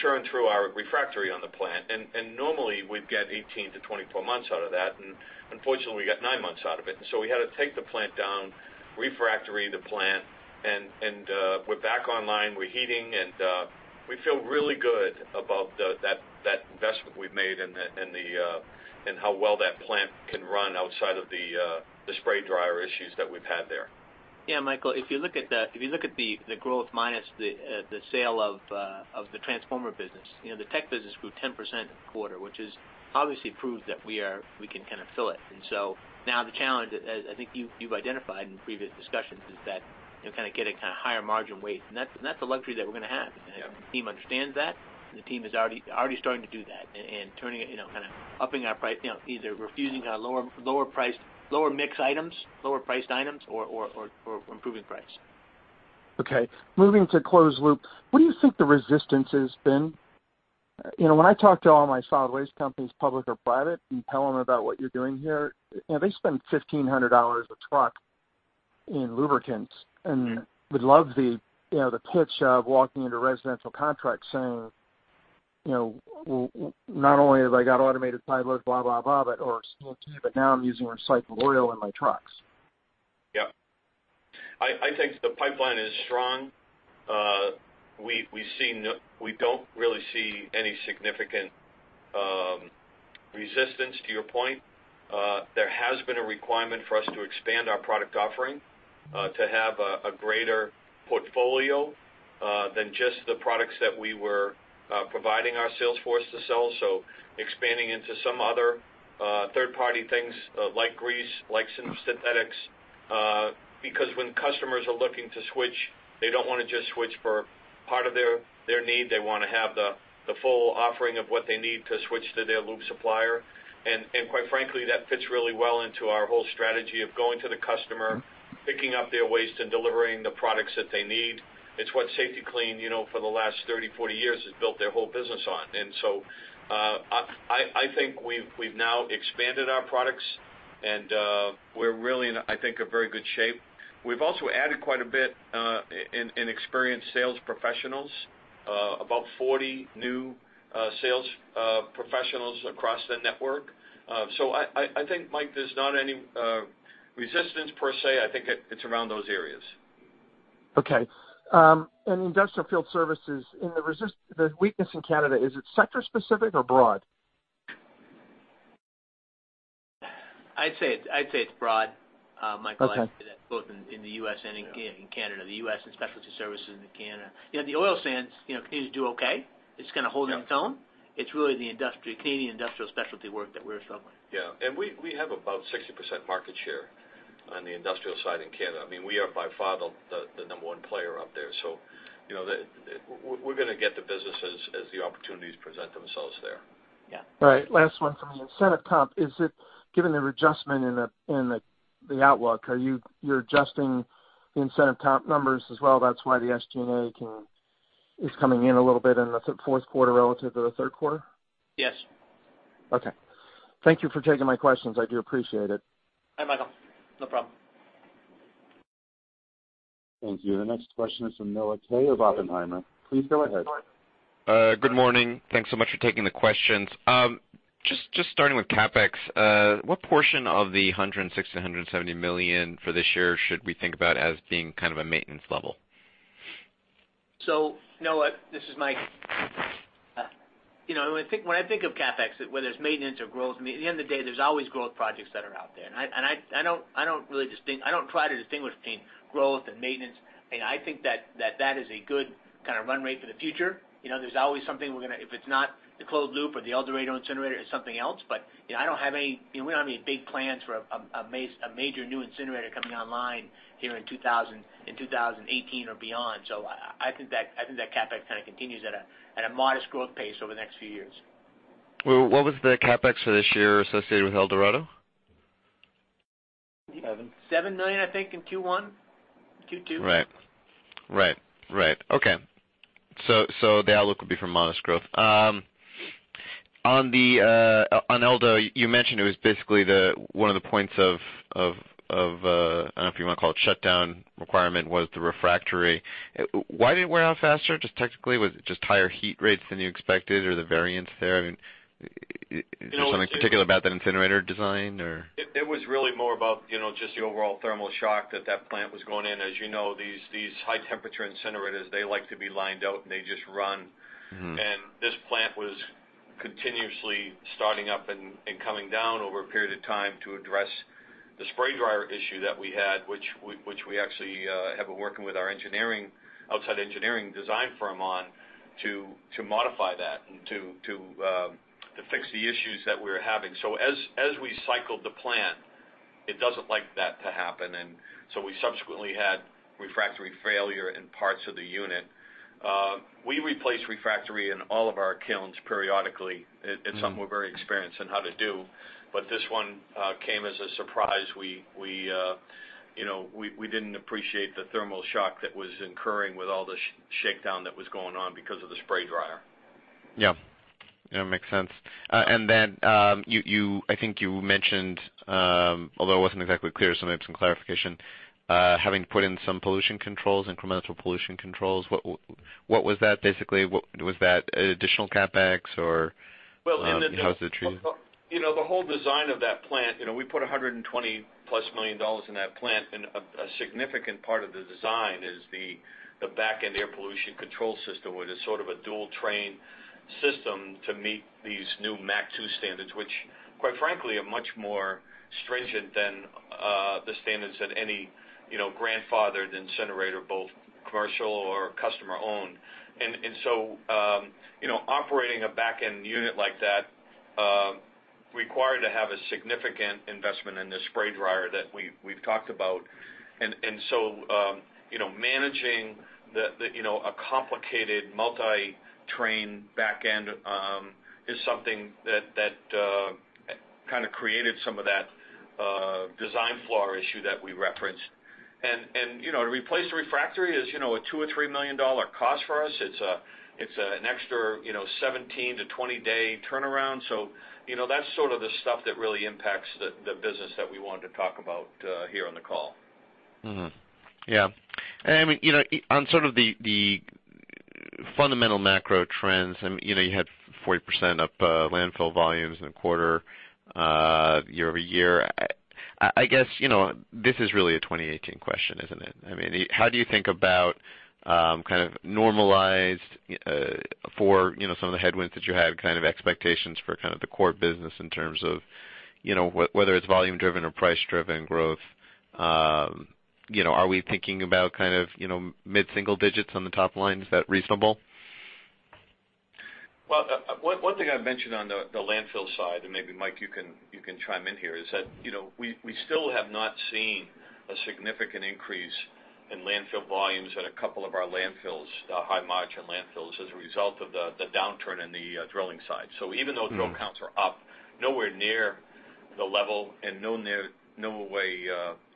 churn through our refractory on the plant, and normally, we'd get 18-24 months out of it, and unfortunately, we got 9 months out of it. So we had to take the plant down, refractory the plant, and we're back online. We're heating, and we feel really good about that investment we've made and how well that plant can run outside of the spray dryer issues that we've had there. Yeah, Michael, if you look at the growth minus the sale of the transformer business, you know, the tech business grew 10% quarter, which is obviously proves that we are-- we can kind of fill it. And so now the challenge, as I think you've identified in previous discussions, is that, you know, kind of getting kind of higher margin weight. And that's a luxury that we're gonna have. Yeah. The team understands that, and the team is already starting to do that and turning it, you know, kind of upping our price, you know, either refusing our lower-priced lower-margin items or lower-priced items, or improving price.... Okay, moving to closed loop, what do you think the resistance has been? You know, when I talk to all my solid waste companies, public or private, and tell them about what you're doing here, you know, they spend $1,500 a truck in lubricants and would love the, you know, the pitch of walking into residential contracts saying, you know, not only have I got autopilot, blah, blah, blah, but also Safety-Kleen, but now I'm using recycled oil in my trucks. Yep. I think the pipeline is strong. We see no—we don't really see any significant resistance to your point. There has been a requirement for us to expand our product offering to have a greater portfolio than just the products that we were providing our sales force to sell. So expanding into some other third-party things like grease, like synthetics, because when customers are looking to switch, they don't want to just switch for part of their need. They want to have the full offering of what they need to switch to their lube supplier. And quite frankly, that fits really well into our whole strategy of going to the customer, picking up their waste and delivering the products that they need. It's what Safety-Kleen, you know, for the last 30, 40 years, has built their whole business on. And so, I, I think we've, we've now expanded our products and, we're really in, I think, a very good shape. We've also added quite a bit, in, in experienced sales professionals, about 40 new, sales, professionals across the network. So I, I, I think, Mike, there's not any, resistance per se. I think it, it's around those areas. Okay. And industrial field services, in the recent weakness in Canada, is it sector specific or broad? I'd say it's broad, Michael. Okay. Both in the US and in Canada. In the US in specialty services, in Canada. You know, the oil sands, you know, continues to do okay. It's kind of holding its own. Yeah. It's really the industry, Canadian industrial specialty work that we're struggling. Yeah, we have about 60% market share on the industrial side in Canada. I mean, we are by far the number one player up there. So, you know, we're gonna get the businesses as the opportunities present themselves there. Yeah. All right, last one for me. Incentive comp, is it, given the adjustment in the outlook, are you—you're adjusting the incentive comp numbers as well, that's why the SG&A is coming in a little bit in the fourth quarter relative to the third quarter? Yes. Okay. Thank you for taking my questions. I do appreciate it. Hi, Michael. No problem. Thank you. The next question is from Noah Kaye of Oppenheimer. Please go ahead. Good morning. Thanks so much for taking the questions. Just, just starting with CapEx, what portion of the $160 million-$170 million for this year should we think about as being kind of a maintenance level? So, Noah, this is Mike. You know, when I think of CapEx, whether it's maintenance or growth, I mean, at the end of the day, there's always growth projects that are out there. And I don't try to distinguish between growth and maintenance. And I think that is a good kind of run rate for the future. You know, there's always something we're gonna... If it's not the closed loop or the El Dorado incinerator, it's something else. But, you know, I don't have any, you know, we don't have any big plans for a a major new incinerator coming online here in 2018 or beyond. So I think that CapEx kind of continues at a modest growth pace over the next few years. Well, what was the CapEx for this year associated with El Dorado? $7 million, I think, in Q1, Q2. Right. Right, right. Okay. So, so the outlook will be for modest growth. On the, on El Dorado, you mentioned it was basically the, one of the points of shutdown requirement, was the refractory. Why did it wear out faster? Just technically, was it just higher heat rates than you expected or the variance there? I mean, is there something particular about that incinerator design or? It was really more about, you know, just the overall thermal shock that plant was going in. As you know, these high temperature incinerators, they like to be lined out, and they just run. Mm-hmm. This plant was continuously starting up and coming down over a period of time to address the spray dryer issue that we had, which we actually have been working with our engineering, outside engineering design firm on, to fix the issues that we were having. So as we cycled the plant, it doesn't like that to happen, and so we subsequently had refractory failure in parts of the unit. We replace refractory in all of our kilns periodically. Mm-hmm. It's something we're very experienced in how to do, but this one came as a surprise. We, you know, we didn't appreciate the thermal shock that was incurring with all the shakedown that was going on because of the spray dryer. Yeah. Yeah, makes sense. And then, I think you mentioned, although it wasn't exactly clear, so maybe some clarification, having put in some pollution controls, incremental pollution controls, what was that basically? Was that additional CapEx or- Well, uh- How was it treated? You know, the whole design of that plant, you know, we put $120+ million in that plant, and a significant part of the design is the back-end air pollution control system, where there's sort of a dual train system to meet these new MACT II standards, which, quite frankly, are much more stringent than the standards that any, you know, grandfathered incinerator, both commercial or customer-owned. And so, you know, operating a back-end unit like that required to have a significant investment in this spray dryer that we've talked about. And so, you know, managing the, you know, a complicated multi-train back end is something that kind of created some of that design flaw issue that we referenced. You know, to replace the refractory is, you know, a $2-$3 million cost for us. It's an extra, you know, 17-20 day turnaround. So, you know, that's sort of the stuff that really impacts the business that we wanted to talk about here on the call. Mm-hmm. Yeah. And I mean, you know, on sort of the, the fundamental macro trends, and, you know, you had 40% up landfill volumes in the quarter year-over-year. I guess, you know, this is really a 2018 question, isn't it? I mean, how do you think about kind of normalized for, you know, some of the headwinds that you had, kind of expectations for kind of the core business in terms of, you know, whether it's volume driven or price driven growth? You know, are we thinking about kind of, you know, mid-single digits on the top line? Is that reasonable? Well, one thing I mentioned on the landfill side, and maybe Mike, you can chime in here, is that, you know, we still have not seen a significant increase in landfill volumes at a couple of our landfills, high margin landfills, as a result of the downturn in the drilling side. Mm-hmm. So even though drill counts are up, nowhere near the level,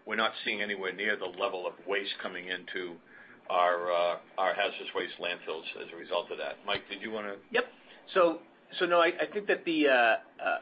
we're not seeing anywhere near the level of waste coming into our hazardous waste landfills as a result of that. Mike, did you want to- Yep. So, no, I think that the,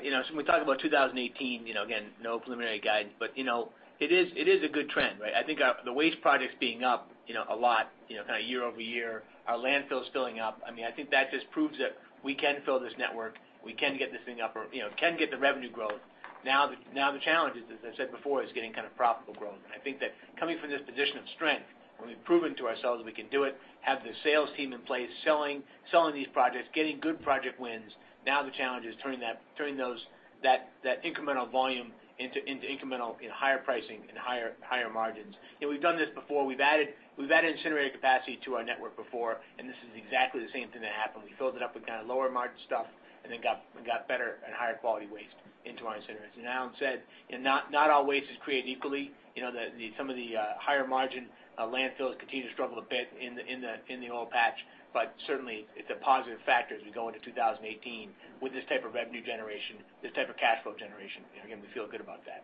you know, so when we talk about 2018, you know, again, no preliminary guidance, but, you know, it is a good trend, right? I think our... the waste projects being up, you know, a lot, you know, kind of year-over-year, our landfills filling up, I mean, I think that just proves that we can fill this network, we can get this thing up or, you know, can get the revenue growth. Now, the challenge is, as I said before, is getting kind of profitable growth. I think that coming from this position of strength, when we've proven to ourselves we can do it, have the sales team in place, selling, selling these projects, getting good project wins, now the challenge is turning that-- turning those, that, that incremental volume into, into incremental, you know, higher pricing and higher, higher margins. You know, we've done this before. We've added, we've added incinerator capacity to our network before, and this is exactly the same thing that happened. We filled it up with kind of lower margin stuff and then got, we got better and higher quality waste into our incinerators. And Alan said, and not, not all waste is created equally. You know, some of the higher margin landfills continue to struggle a bit in the oil patch, but certainly, it's a positive factor as we go into 2018 with this type of revenue generation, this type of cash flow generation. You know, again, we feel good about that.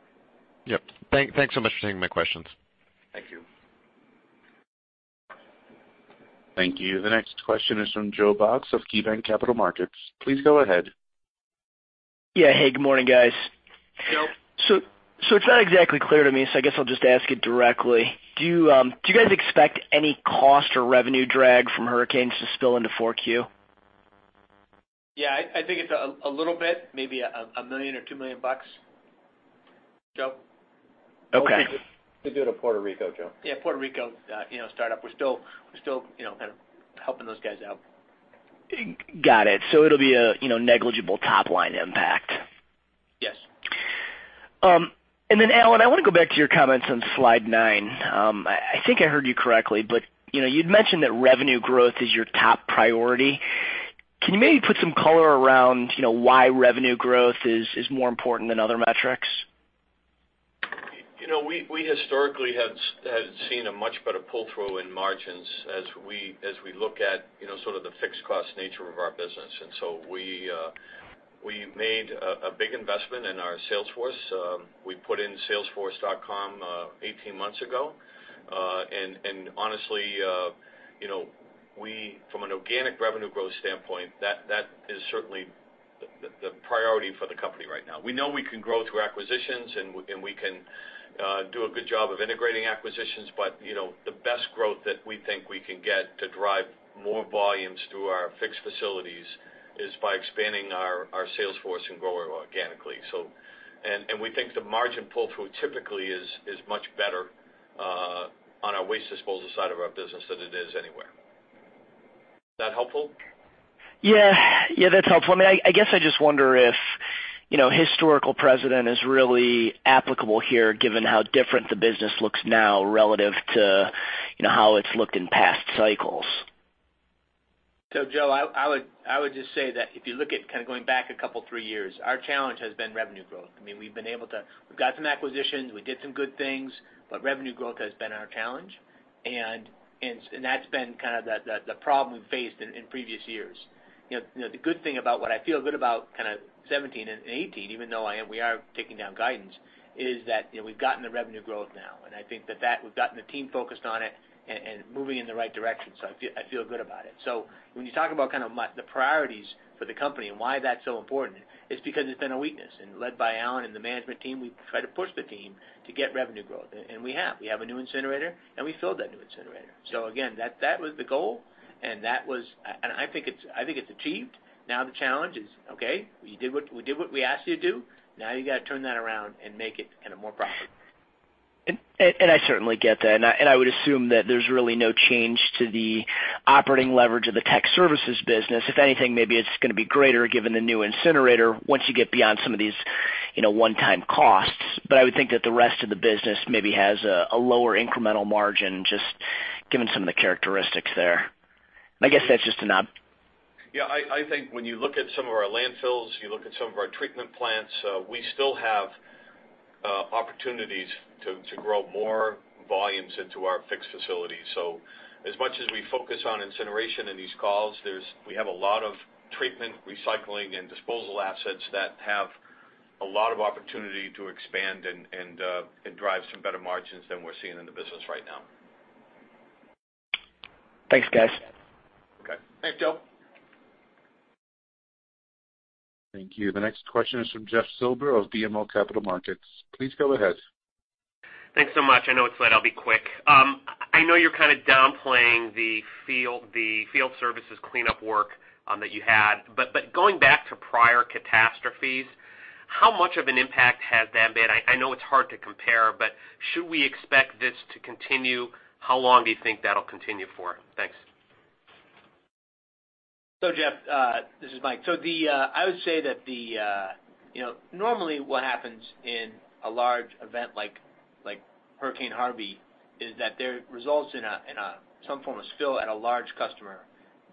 Yep. Thanks so much for taking my questions. Thank you. Thank you. The next question is from Joe Box of KeyBanc Capital Markets. Please go ahead. Yeah. Hey, good morning, guys. Yep. So, it's not exactly clear to me, so I guess I'll just ask it directly: Do you guys expect any cost or revenue drag from hurricanes to spill into 4Q? Yeah, I think it's a little bit, maybe $1 million or $2 million, Joe. Okay. We do it in Puerto Rico, Joe. Yeah, Puerto Rico, you know, startup. We're still, we're still, you know, kind of helping those guys out. Got it. So it'll be a, you know, negligible top-line impact? Yes. And then, Alan, I want to go back to your comments on slide nine. I think I heard you correctly, but, you know, you'd mentioned that revenue growth is your top priority. Can you maybe put some color around, you know, why revenue growth is more important than other metrics? You know, we historically have seen a much better pull-through in margins as we look at, you know, sort of the fixed cost nature of our business. And so we made a big investment in our sales force. We put in Salesforce.com 18 months ago. And honestly, you know, we, from an organic revenue growth standpoint, that is certainly the priority for the company right now. We know we can grow through acquisitions, and we can do a good job of integrating acquisitions, but, you know, the best growth that we think we can get to drive more volumes through our fixed facilities is by expanding our sales force and growing organically. So... We think the margin pull-through typically is much better on our waste disposal side of our business than it is anywhere. Is that helpful? Yeah. Yeah, that's helpful. I mean, I, I guess I just wonder if, you know, historical precedent is really applicable here, given how different the business looks now relative to, you know, how it's looked in past cycles. So Joe, I would just say that if you look at kind of going back a couple, three years, our challenge has been revenue growth. I mean, we've been able to—we've got some acquisitions, we did some good things, but revenue growth has been our challenge. And that's been kind of the problem we faced in previous years. You know, the good thing about what I feel good about kind of 2017 and 2018, even though I am—we are taking down guidance, is that, you know, we've gotten the revenue growth now, and I think that we've gotten the team focused on it and moving in the right direction. So I feel good about it. So when you talk about kind of the priorities for the company and why that's so important, it's because it's been a weakness. Led by Alan and the management team, we've tried to push the team to get revenue growth. And we have. We have a new incinerator, and we filled that new incinerator. So again, that was the goal, and that was, and I think it's achieved. Now the challenge is, okay, you did what, you did what we asked you to do, now you got to turn that around and make it kind of more profitable. I certainly get that, and I would assume that there's really no change to the operating leverage of the tech services business. If anything, maybe it's going to be greater given the new incinerator, once you get beyond some of these, you know, one-time costs. But I would think that the rest of the business maybe has a lower incremental margin, just given some of the characteristics there. And I guess that's just a knob. Yeah, I think when you look at some of our landfills, you look at some of our treatment plants, we still have opportunities to grow more volumes into our fixed facilities. So as much as we focus on incineration in these calls, there's we have a lot of treatment, recycling, and disposal assets that have a lot of opportunity to expand and drive some better margins than we're seeing in the business right now. Thanks, guys. Okay. Thanks, Joe. Thank you. The next question is from Jeff Silber of BMO Capital Markets. Please go ahead. Thanks so much. I know it's late, I'll be quick. I know you're kind of downplaying the field, the field services cleanup work that you had, but, but going back to prior catastrophes, how much of an impact has that been? I know it's hard to compare, but should we expect this to continue? How long do you think that'll continue for? Thanks. So, Jeff, this is Mike. So the, I would say that the, you know, normally what happens in a large event like, like Hurricane Harvey, is that there results in a some form of spill at a large customer,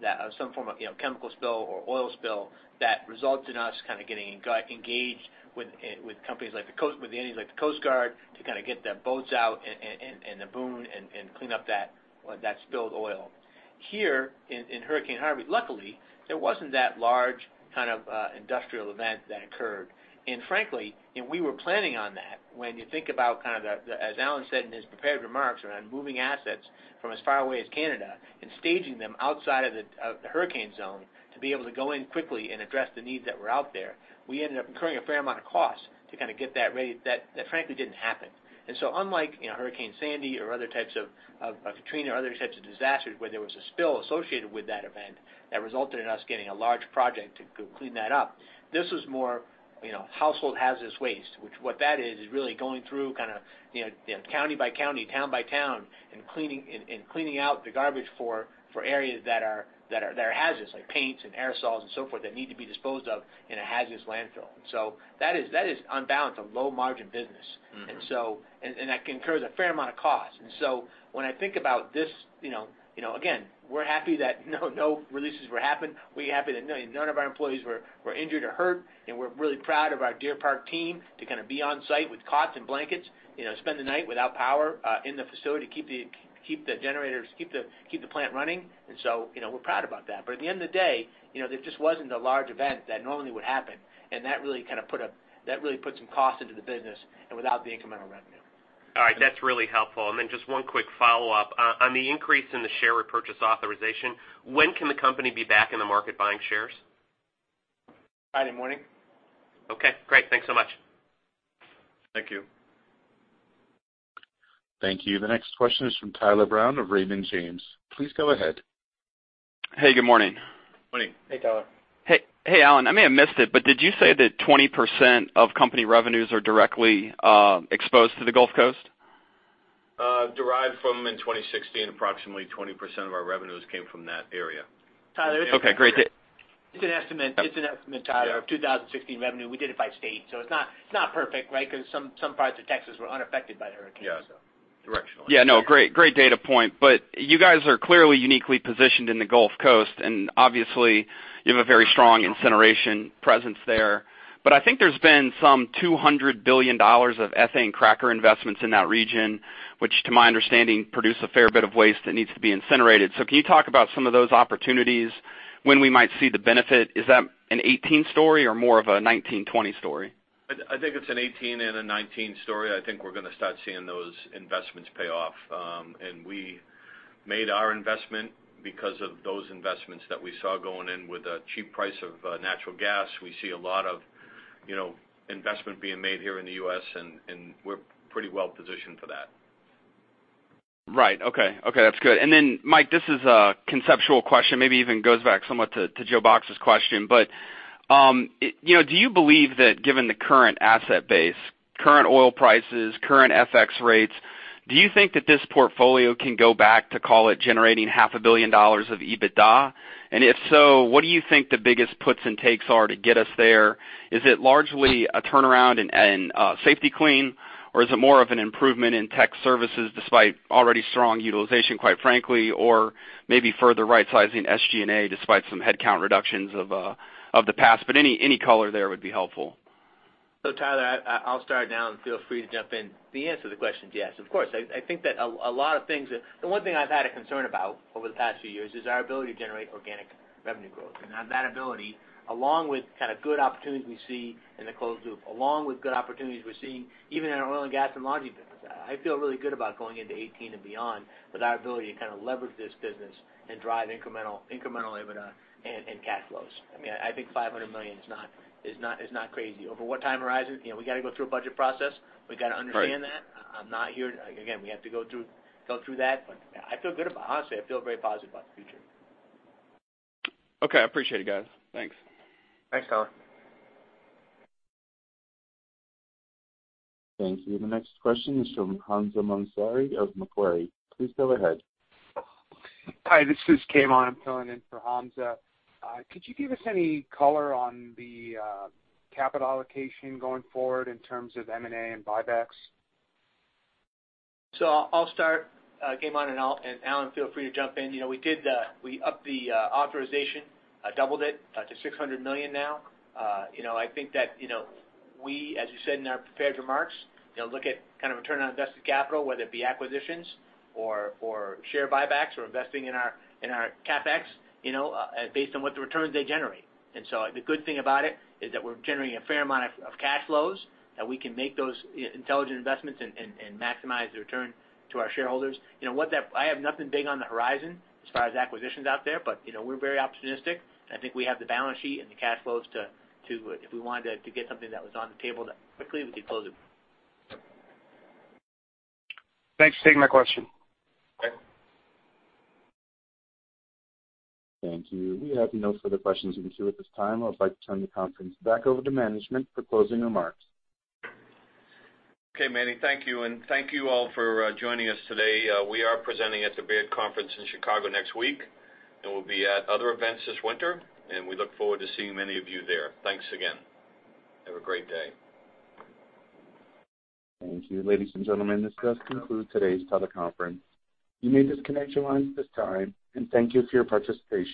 that, some form of, you know, chemical spill or oil spill that results in us kind of getting engaged with entities like the Coast Guard, to kind of get their boats out and the boom and clean up that spilled oil. Here, in Hurricane Harvey, luckily, there wasn't that large kind of, industrial event that occurred. And frankly, we were planning on that. When you think about kind of the, the... As Alan said in his prepared remarks around moving assets from as far away as Canada and staging them outside of the hurricane zone to be able to go in quickly and address the needs that were out there, we ended up incurring a fair amount of cost to kind of get that ready, that frankly didn't happen. And so unlike, you know, Hurricane Sandy or other types of, of, like Hurricane Katrina, or other types of disasters where there was a spill associated with that event, that resulted in us getting a large project to go clean that up, this was more, you know, household hazardous waste, which what that is, is really going through kind of, you know, county by county, town by town, and cleaning out the garbage for areas that are hazardous, like paints and aerosols and so forth, that need to be disposed of in a hazardous landfill. So that is on balance, a low-margin business. Mm-hmm. And that incurs a fair amount of cost. So when I think about this, you know, again, we're happy that no releases were happened. We're happy that none of our employees were injured or hurt, and we're really proud of our Deer Park team to kind of be on site with cots and blankets, you know, spend the night without power in the facility to keep the generators, keep the plant running. So, you know, we're proud about that. But at the end of the day, you know, there just wasn't a large event that normally would happen, and that really kind of put some cost into the business without the incremental revenue. All right. That's really helpful. And then just one quick follow-up. On the increase in the share repurchase authorization, when can the company be back in the market buying shares? Friday morning. Okay, great. Thanks so much. Thank you. Thank you. The next question is from Tyler Brown of Raymond James. Please go ahead. Hey, good morning. Morning. Hey, Tyler. Hey, hey, Alan, I may have missed it, but did you say that 20% of company revenues are directly exposed to the Gulf Coast? Derived from in 2016, approximately 20% of our revenues came from that area. Tyler- Okay, great, yeah. It's an estimate. It's an estimate, Tyler- Yeah... of 2016 revenue. We did it by state, so it's not perfect, right? Because some parts of Texas were unaffected by the hurricane. Yeah. Directionally. Yeah, no, great, great data point. But you guys are clearly uniquely positioned in the Gulf Coast, and obviously, you have a very strong incineration presence there. But I think there's been some $200 billion of ethane cracker investments in that region, which, to my understanding, produce a fair bit of waste that needs to be incinerated. So can you talk about some of those opportunities, when we might see the benefit? Is that a 2018 story or more of a 2019, 2020 story? I think it's a 2018 and a 2019 story. I think we're going to start seeing those investments pay off. And we made our investment because of those investments that we saw going in with a cheap price of natural gas. We see a lot of, you know, investment being made here in the U.S., and we're pretty well positioned for that. Right. Okay. Okay, that's good. And then, Mike, this is a conceptual question, maybe even goes back somewhat to, to Joe Box's question, but, you know, do you believe that given the current asset base, current oil prices, current FX rates, do you think that this portfolio can go back to, call it, generating $500 million of EBITDA? And if so, what do you think the biggest puts and takes are to get us there? Is it largely a turnaround in Safety-Kleen, or is it more of an improvement in tech services, despite already strong utilization, quite frankly, or maybe further right-sizing SG&A, despite some headcount reductions of the past? But any color there would be helpful. So Tyler, I'll start now and feel free to jump in. The answer to the question is yes, of course. I think that a lot of things... The one thing I've had a concern about over the past few years is our ability to generate organic revenue growth. And on that ability, along with kind of good opportunities we see in the closed loop, along with good opportunities we're seeing even in our oil and gas and laundry business, I feel really good about going into 2018 and beyond, with our ability to kind of leverage this business and drive incremental EBITDA and cash flows. I mean, I think $500 million is not crazy. Over what time horizon? You know, we got to go through a budget process. Right. We got to understand that. I'm not here... Again, we have to go through, go through that, but I feel good about it. Honestly, I feel very positive about the future. Okay. I appreciate it, guys. Thanks. Thanks, Tyler. Thank you. The next question is from Hamza Mazari of Macquarie. Please go ahead. Hi, this is Kayvon. I'm filling in for Hamza. Could you give us any color on the capital allocation going forward in terms of M&A and buybacks? So I'll start, Kayvon, and Alan, feel free to jump in. You know, we did, we upped the authorization, doubled it to $600 million now. You know, I think that, you know, we, as you said in our prepared remarks, you know, look at kind of return on invested capital, whether it be acquisitions or share buybacks, or investing in our CapEx, you know, based on what the returns they generate. And so the good thing about it is that we're generating a fair amount of cash flows, that we can make those intelligent investments and maximize the return to our shareholders. You know what? I have nothing big on the horizon as far as acquisitions out there, but, you know, we're very opportunistic, and I think we have the balance sheet and the cash flows to, to, if we wanted to, to get something that was on the table that quickly, we could close it. Thanks for taking my question. Okay. Thank you. We have no further questions in the queue at this time. I'd like to turn the conference back over to management for closing remarks. Okay, Manny, thank you, and thank you all for joining us today. We are presenting at the Baird Conference in Chicago next week, and we'll be at other events this winter, and we look forward to seeing many of you there. Thanks again. Have a great day. Thank you. Ladies and gentlemen, this does conclude today's teleconference. You may disconnect your lines at this time, and thank you for your participation.